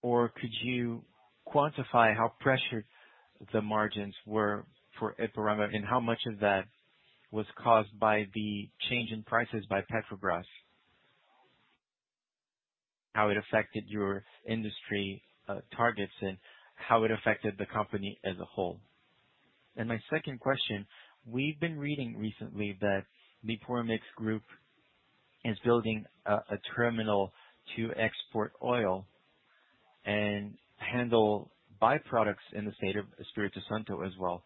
Speaker 8: Could you quantify how pressured the margins were for Ipiranga, and how much of that was caused by the change in prices by Petrobras, how it affected your industry targets, and how it affected the company as a whole? My second question, we've been reading recently that the Polimix Group is building a terminal to export oil and handle byproducts in the state of Espírito Santo as well.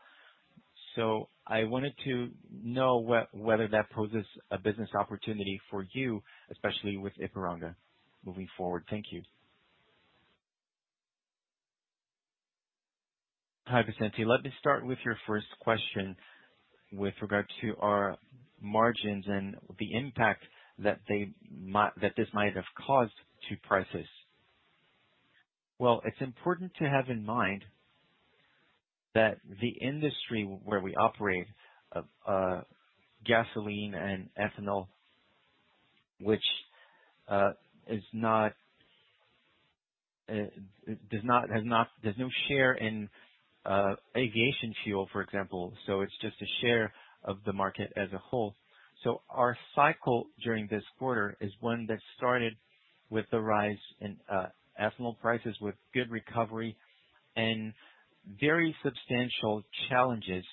Speaker 8: I wanted to know whether that poses a business opportunity for you, especially with Ipiranga moving forward. Thank you.
Speaker 4: Hi, Vicente. Let me start with your first question with regard to our margins and the impact that this might have caused to prices. It's important to have in mind that the industry where we operate, gasoline and ethanol, which has no share in aviation fuel, for example, so it's just a share of the market as a whole. Our cycle during this quarter is one that started with the rise in ethanol prices with good recovery and very substantial challenges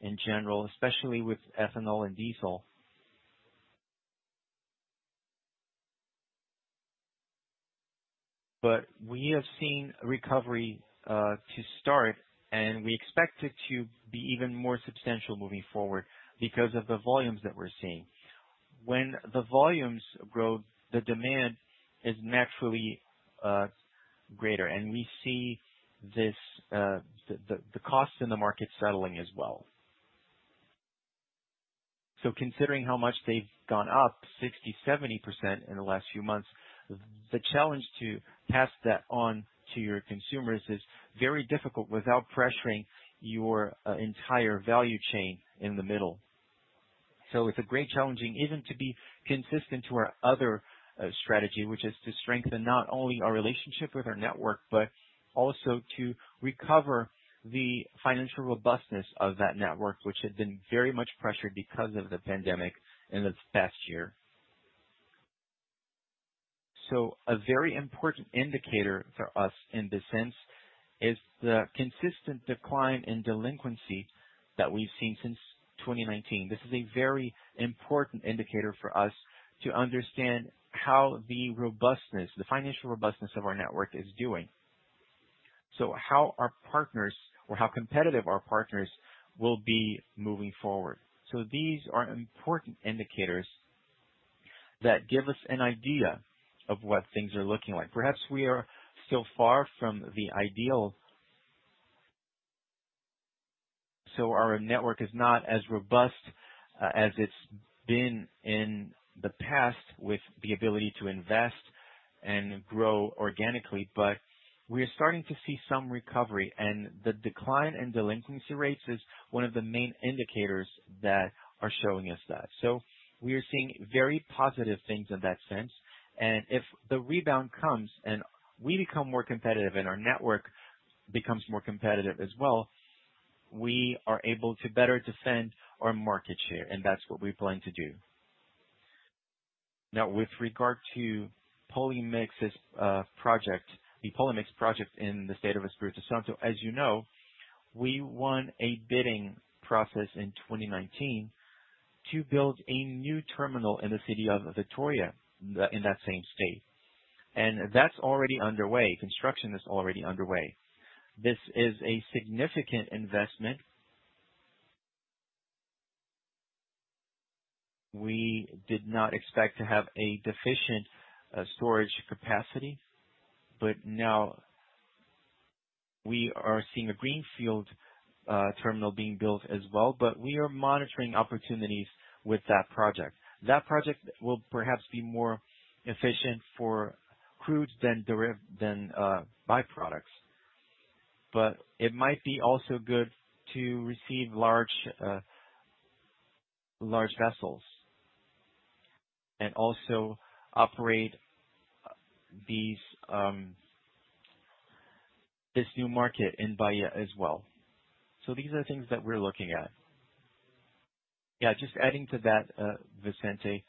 Speaker 4: in general, especially with ethanol and diesel. We have seen a recovery to start, and we expect it to be even more substantial moving forward because of the volumes that we're seeing. When the volumes grow, the demand is naturally greater, and we see the cost in the market settling as well. Considering how much they've gone up, 60%, 70% in the last few months, the challenge to pass that on to your consumers is very difficult without pressuring your entire value chain in the middle. It's a great challenge even to be consistent to our other strategy, which is to strengthen not only our relationship with our network, but also to recover the financial robustness of that network, which had been very much pressured because of the pandemic in the past year. A very important indicator for us in this sense is the consistent decline in delinquency that we've seen since 2019. This is a very important indicator for us to understand how the financial robustness of our network is doing, how our partners or how competitive our partners will be moving forward. These are important indicators that give us an idea of what things are looking like. Perhaps we are still far from the ideal, so our network is not as robust as it's been in the past with the ability to invest and grow organically. We are starting to see some recovery, and the decline in delinquency rates is one of the main indicators that are showing us that. We are seeing very positive things in that sense. If the rebound comes and we become more competitive and our network becomes more competitive as well, we are able to better defend our market share, and that's what we plan to do. With regard to the Polimix project in the state of Espírito Santo, as you know, we won a bidding process in 2019 to build a new terminal in the city of Vitória in that same state. That's already underway. Construction is already underway. This is a significant investment. We did not expect to have a deficient storage capacity, but now we are seeing a greenfield terminal being built as well. We are monitoring opportunities with that project.
Speaker 2: That project will perhaps be more efficient for crude than byproducts. It might be also good to receive large vessels and also operate this new market in Bahia as well. These are the things that we're looking at. Just adding to that, Vicente Falanga,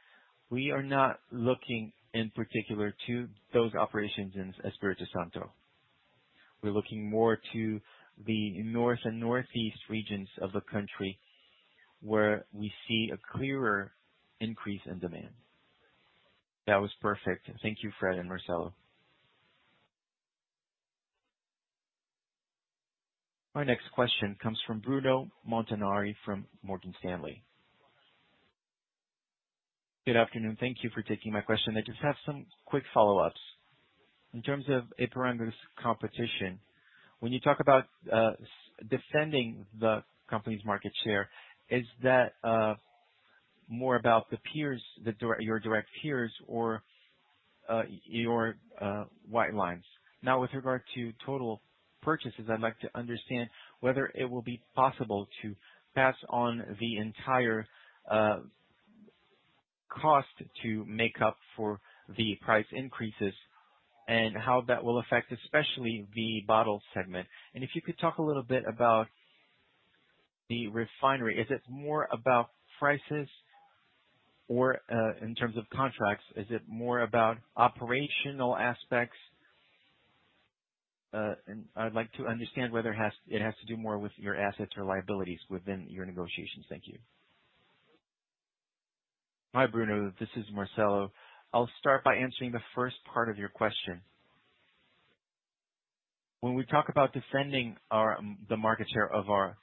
Speaker 2: we are not looking in particular to those operations in Espírito Santo. We're looking more to the North and Northeast regions of the country, where we see a clearer increase in demand.
Speaker 8: That was perfect. Thank you, Fred and Marcelo.
Speaker 1: Our next question comes from Bruno Montanari, from Morgan Stanley.
Speaker 9: Good afternoon. Thank you for taking my question. I just have some quick follow-ups. In terms of Ipiranga's competition, when you talk about defending the company's market share, is that more about your direct peers or your White Flag? With regard to total purchases, I'd like to understand whether it will be possible to pass on the entire cost to make up for the price increases and how that will affect, especially the bottle segment. If you could talk a little bit about the refinery. Is it more about prices? In terms of contracts, is it more about operational aspects? I'd like to understand whether it has to do more with your assets or liabilities within your negotiations. Thank you.
Speaker 4: Hi, Bruno. This is Marcelo. I'll start by answering the first part of your question. When we talk about defending the market share of our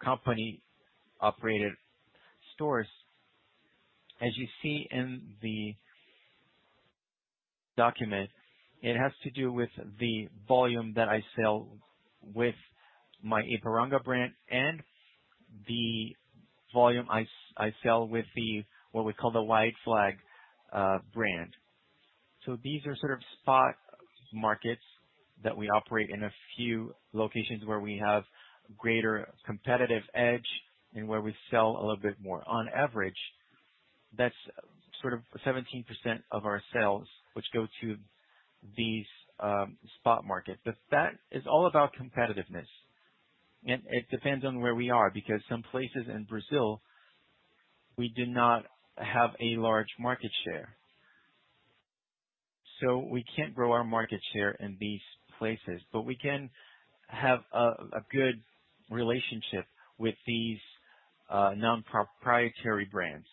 Speaker 4: company-operated stores, as you see in the document, it has to do with the volume that I sell with my Ipiranga brand and the volume I sell with what we call the White Flag brand. These are sort of spot markets that we operate in a few locations where we have greater competitive edge and where we sell a little bit more. On average, that's sort of 17% of our sales, which go to these spot market. That is all about competitiveness. It depends on where we are, because some places in Brazil, we do not have a large market share. We can't grow our market share in these places, but we can have a good relationship with these non-proprietary brands.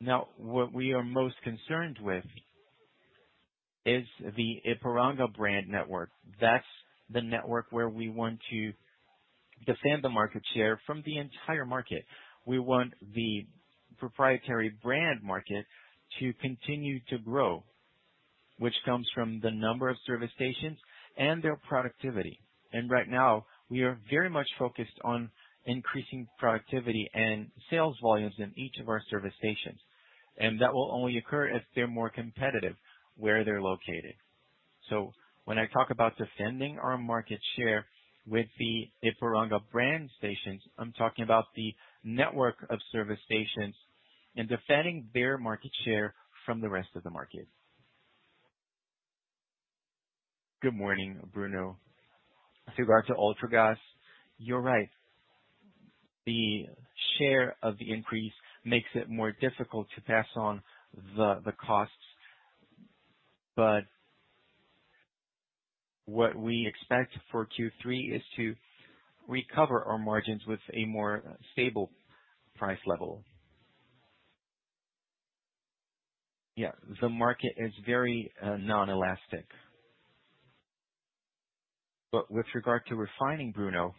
Speaker 4: Now, what we are most concerned with is the Ipiranga brand network. That's the network where we want to defend the market share from the entire market. We want the proprietary brand market to continue to grow, which comes from the number of service stations and their productivity. Right now, we are very much focused on increasing productivity and sales volumes in each of our service stations. That will only occur if they're more competitive where they're located. When I talk about defending our market share with the Ipiranga brand stations, I'm talking about the network of service stations and defending their market share from the rest of the market.
Speaker 2: Good morning, Bruno. With regard to Ultragaz, you're right. The share of the increase makes it more difficult to pass on the costs. What we expect for Q3 is to recover our margins with a more stable price level. Yeah, the market is very non-elastic. With regard to refining, Bruno,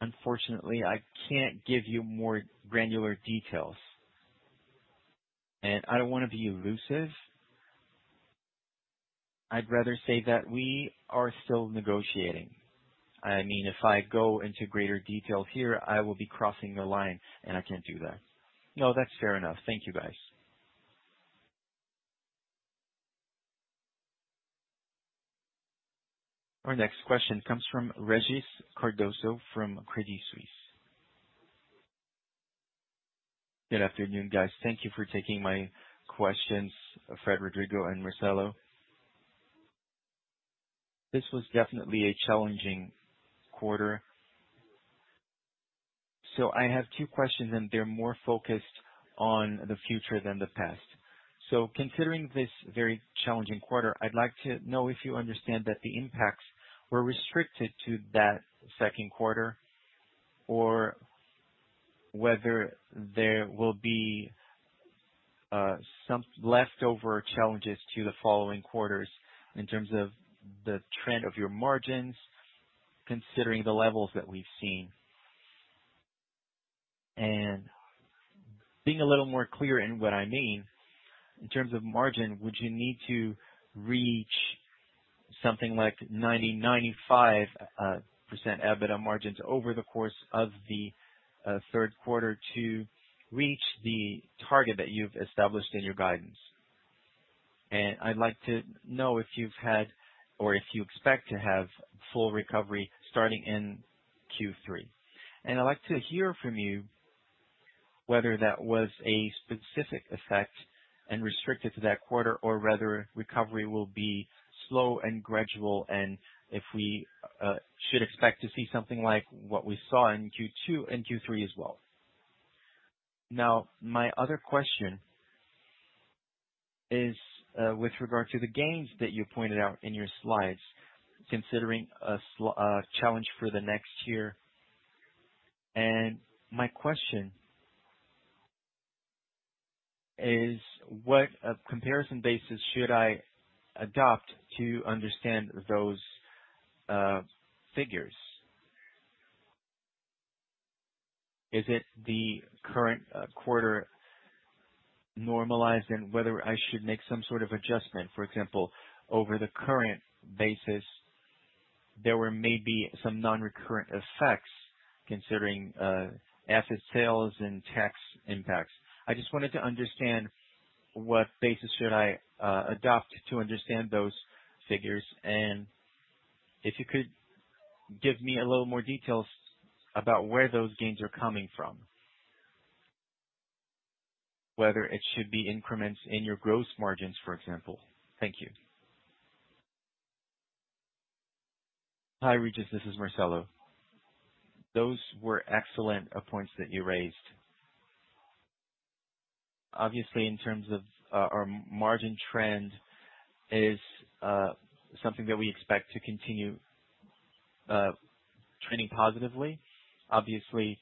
Speaker 2: unfortunately, I can't give you more granular details. I don't want to be elusive. I'd rather say that we are still negotiating. If I go into greater detail here, I will be crossing the line, and I can't do that. No, that's fair enough.
Speaker 9: Thank you, guys.
Speaker 1: Our next question comes from Regis Cardoso from Credit Suisse.
Speaker 10: Good afternoon, guys. Thank you for taking my questions, Fred, Rodrigo, and Marcelo. This was definitely a challenging quarter. I have two questions, and they're more focused on the future than the past. Considering this very challenging quarter, I'd like to know if you understand that the impacts were restricted to that Q2 or whether there will be some leftover challenges to the following quarters in terms of the trend of your margins, considering the levels that we've seen. Being a little more clear in what I mean, in terms of margin, would you need to reach something like 95% EBITDA margins over the course of the Q3 to reach the target that you've established in your guidance. I'd like to know if you've had or if you expect to have full recovery starting in Q3. I'd like to hear from you whether that was a specific effect and restricted to that quarter or whether recovery will be slow and gradual, and if we should expect to see something like what we saw in Q2 and Q3 as well. My other question is with regard to the gains that you pointed out in your slides, considering a challenge for the next year. My question is, what comparison basis should I adopt to understand those figures? Is it the current quarter normalized and whether I should make some sort of adjustment? For example, over the current basis, there were maybe some non-recurrent effects considering asset sales and tax impacts. I just wanted to understand what basis should I adopt to understand those figures, and if you could give me a little more details about where those gains are coming from. Whether it should be increments in your gross margins, for example. Thank you.
Speaker 4: Hi, Regis. This is Marcelo. Those were excellent points that you raised. Obviously, in terms of our margin trend is something that we expect to continue trending positively. Obviously,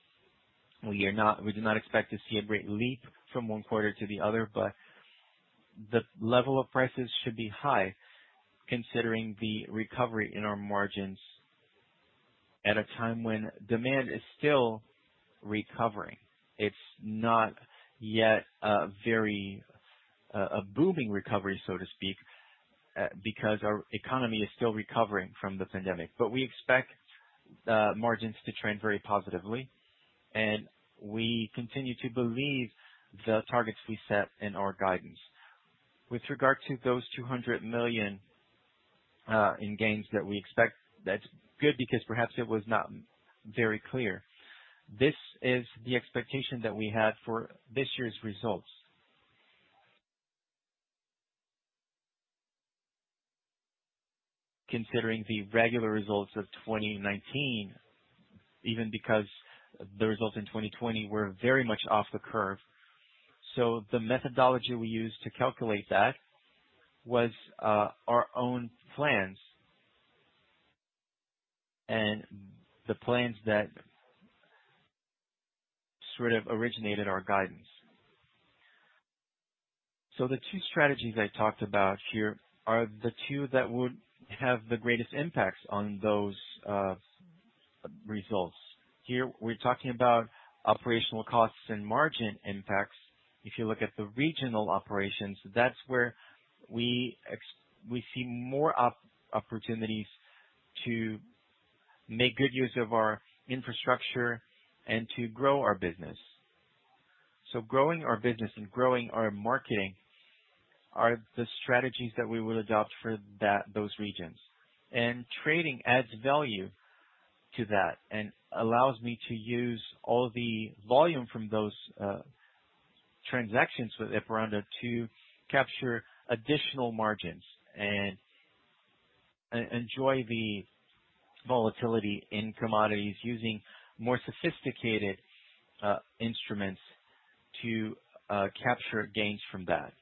Speaker 4: we do not expect to see a great leap from one quarter to the other, but the level of prices should be high considering the recovery in our margins at a time when demand is still recovering. It's not yet a booming recovery, so to speak, because our economy is still recovering from the pandemic. We expect margins to trend very positively, and we continue to believe the targets we set in our guidance. With regard to those 200 million in gains that we expect, that's good because perhaps it was not very clear. This is the expectation that we had for this year's results. Considering the regular results of 2019, even because the results in 2020 were very much off the curve. The methodology we used to calculate that was our own plans and the plans that sort of originated our guidance. The two strategies I talked about here are the two that would have the greatest impacts on those results. Here, we're talking about operational costs and margin impacts. If you look at the regional operations, that's where we see more opportunities to make good use of our infrastructure and to grow our business. Growing our business and growing our marketing are the strategies that we will adopt for those regions. Trading adds value to that and allows me to use all the volume from those transactions with Ipiranga to capture additional margins and enjoy the volatility in commodities using more sophisticated instruments to capture gains from that.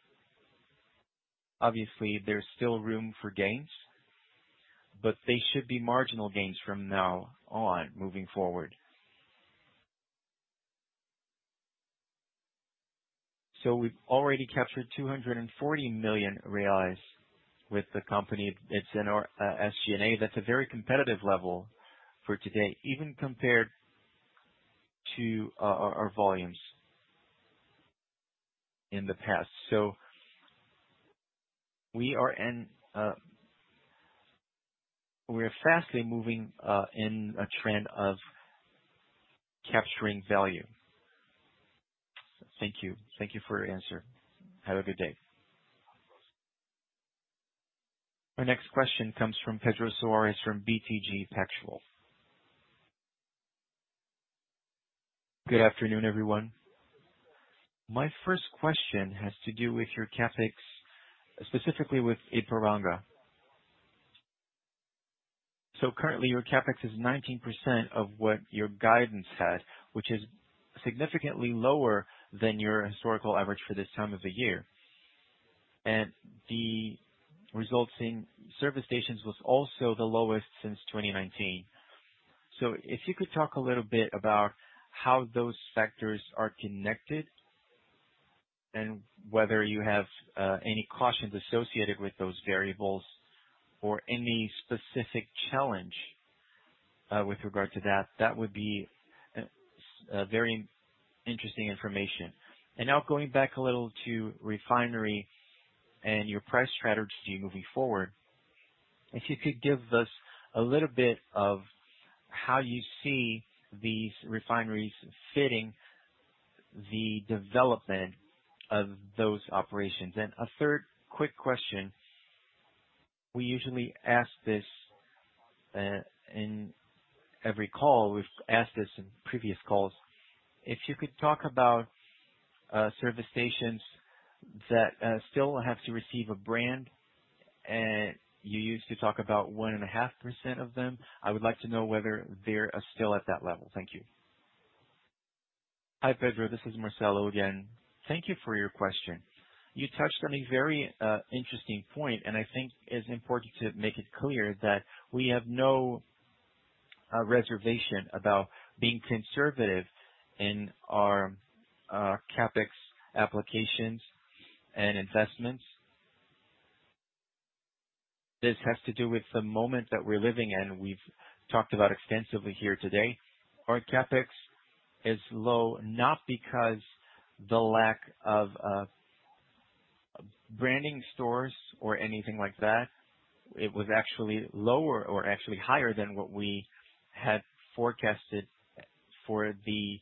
Speaker 4: Obviously, there's still room for gains, but they should be marginal gains from now on moving forward. We've already captured 240 million reais with the company that's in our SG&A. That's a very competitive level for today, even compared to our volumes in the past. We are fastly moving in a trend of capturing value.
Speaker 10: Thank you. Thank you for your answer. Have a good day.
Speaker 1: Our next question comes from Pedro Soares from BTG Pactual.
Speaker 11: Good afternoon, everyone. My first question has to do with your CapEx, specifically with Ipiranga. Currently, your CapEx is 19% of what your guidance says, which is significantly lower than your historical average for this time of the year. The results in service stations was also the lowest since 2019. If you could talk a little bit about how those factors are connected and whether you have any cautions associated with those variables or any specific challenge with regard to that would be very interesting information. Now going back a little to refinery and your price strategy moving forward. If you could give us a little bit of how you see these refineries fitting the development of those operations. A third quick question, we usually ask this in every call. We've asked this in previous calls. If you could talk about service stations that still have to receive a brand, you used to talk about 1.5% of them. I would like to know whether they're still at that level. Thank you.
Speaker 4: Hi, Pedro. This is Marcelo again. Thank you for your question. You touched on a very interesting point, and I think it's important to make it clear that we have no reservation about being conservative in our CapEx applications and investments. This has to do with the moment that we're living in. We've talked about extensively here today. Our CapEx is low, not because the lack of branding stores or anything like that. It was actually higher than what we had forecasted for the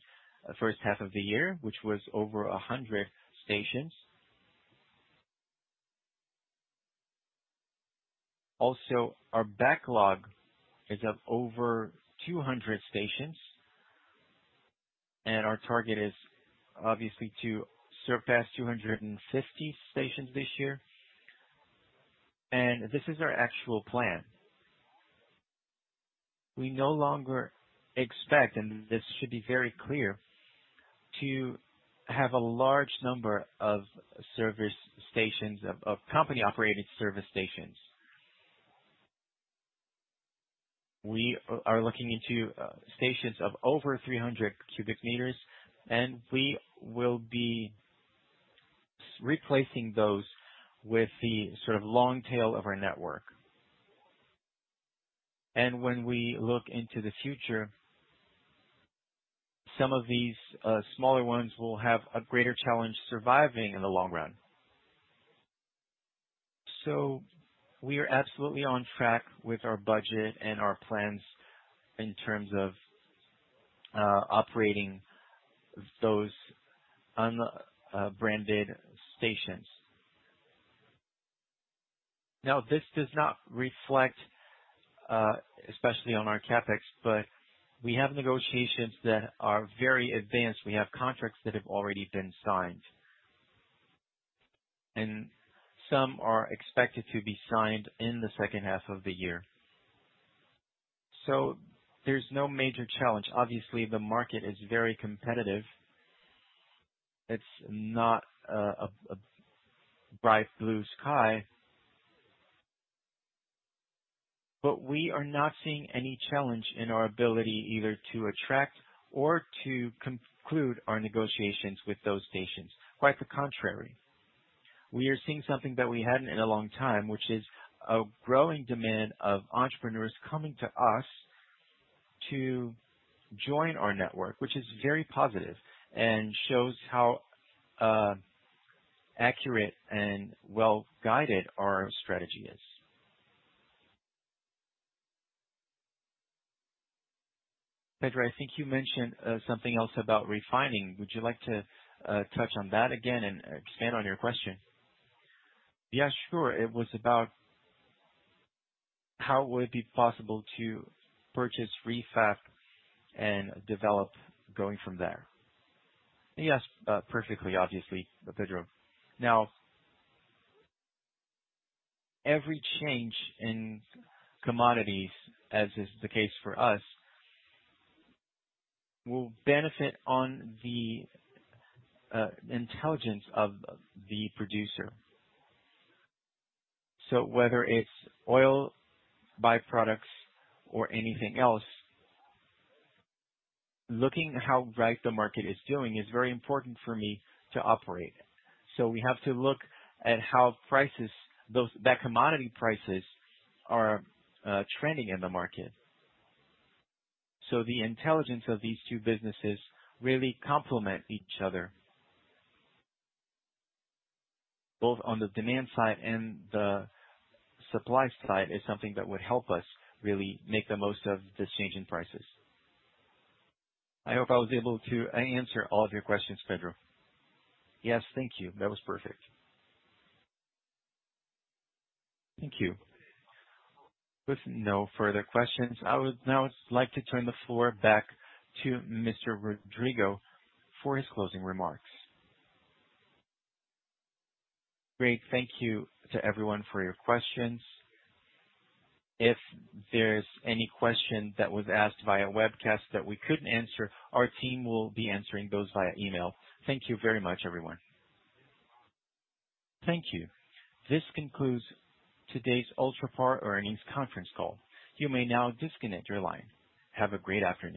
Speaker 4: H1 of the year, which was over 100 stations. Also, our backlog is of over 200 stations, and our target is obviously to surpass 250 stations this year. This is our actual plan. We no longer expect, and this should be very clear, to have a large number of company-operated service stations. We are looking into stations of over 300 cubic meters, and we will be replacing those with the long tail of our network. When we look into the future, some of these smaller ones will have a greater challenge surviving in the long run. We are absolutely on track with our budget and our plans in terms of operating those unbranded stations. This does not reflect, especially on our CapEx, but we have negotiations that are very advanced. We have contracts that have already been signed. Some are expected to be signed in the H2 of the year. There's no major challenge. Obviously, the market is very competitive. It's not a bright blue sky. We are not seeing any challenge in our ability either to attract or to conclude our negotiations with those stations. Quite the contrary. We are seeing something that we hadn't in a long time, which is a growing demand of entrepreneurs coming to us to join our network, which is very positive and shows how accurate and well-guided our strategy is. Pedro, I think you mentioned something else about refining. Would you like to touch on that again and expand on your question?
Speaker 11: Yeah, sure. It was about how would it be possible to purchase REFAP and develop going from there.
Speaker 4: Yes, perfectly, obviously, Pedro. Every change in commodities, as is the case for us, will benefit on the intelligence of the producer. Whether it's oil byproducts or anything else, looking how right the market is doing is very important for me to operate. We have to look at how commodity prices are trending in the market. The intelligence of these two businesses really complement each other, both on the demand side and the supply side, is something that would help us really make the most of this change in prices. I hope I was able to answer all of your questions, Pedro.
Speaker 11: Yes, thank you. That was perfect.
Speaker 1: Thank you. With no further questions, I would now like to turn the floor back to Mr. Rodrigo for his closing remarks.
Speaker 3: Great. Thank you to everyone for your questions. If there's any question that was asked via webcast that we couldn't answer, our team will be answering those via email. Thank you very much, everyone. Thank you.
Speaker 1: This concludes today's Ultrapar earnings conference call. You may now disconnect your line. Have a great afternoon.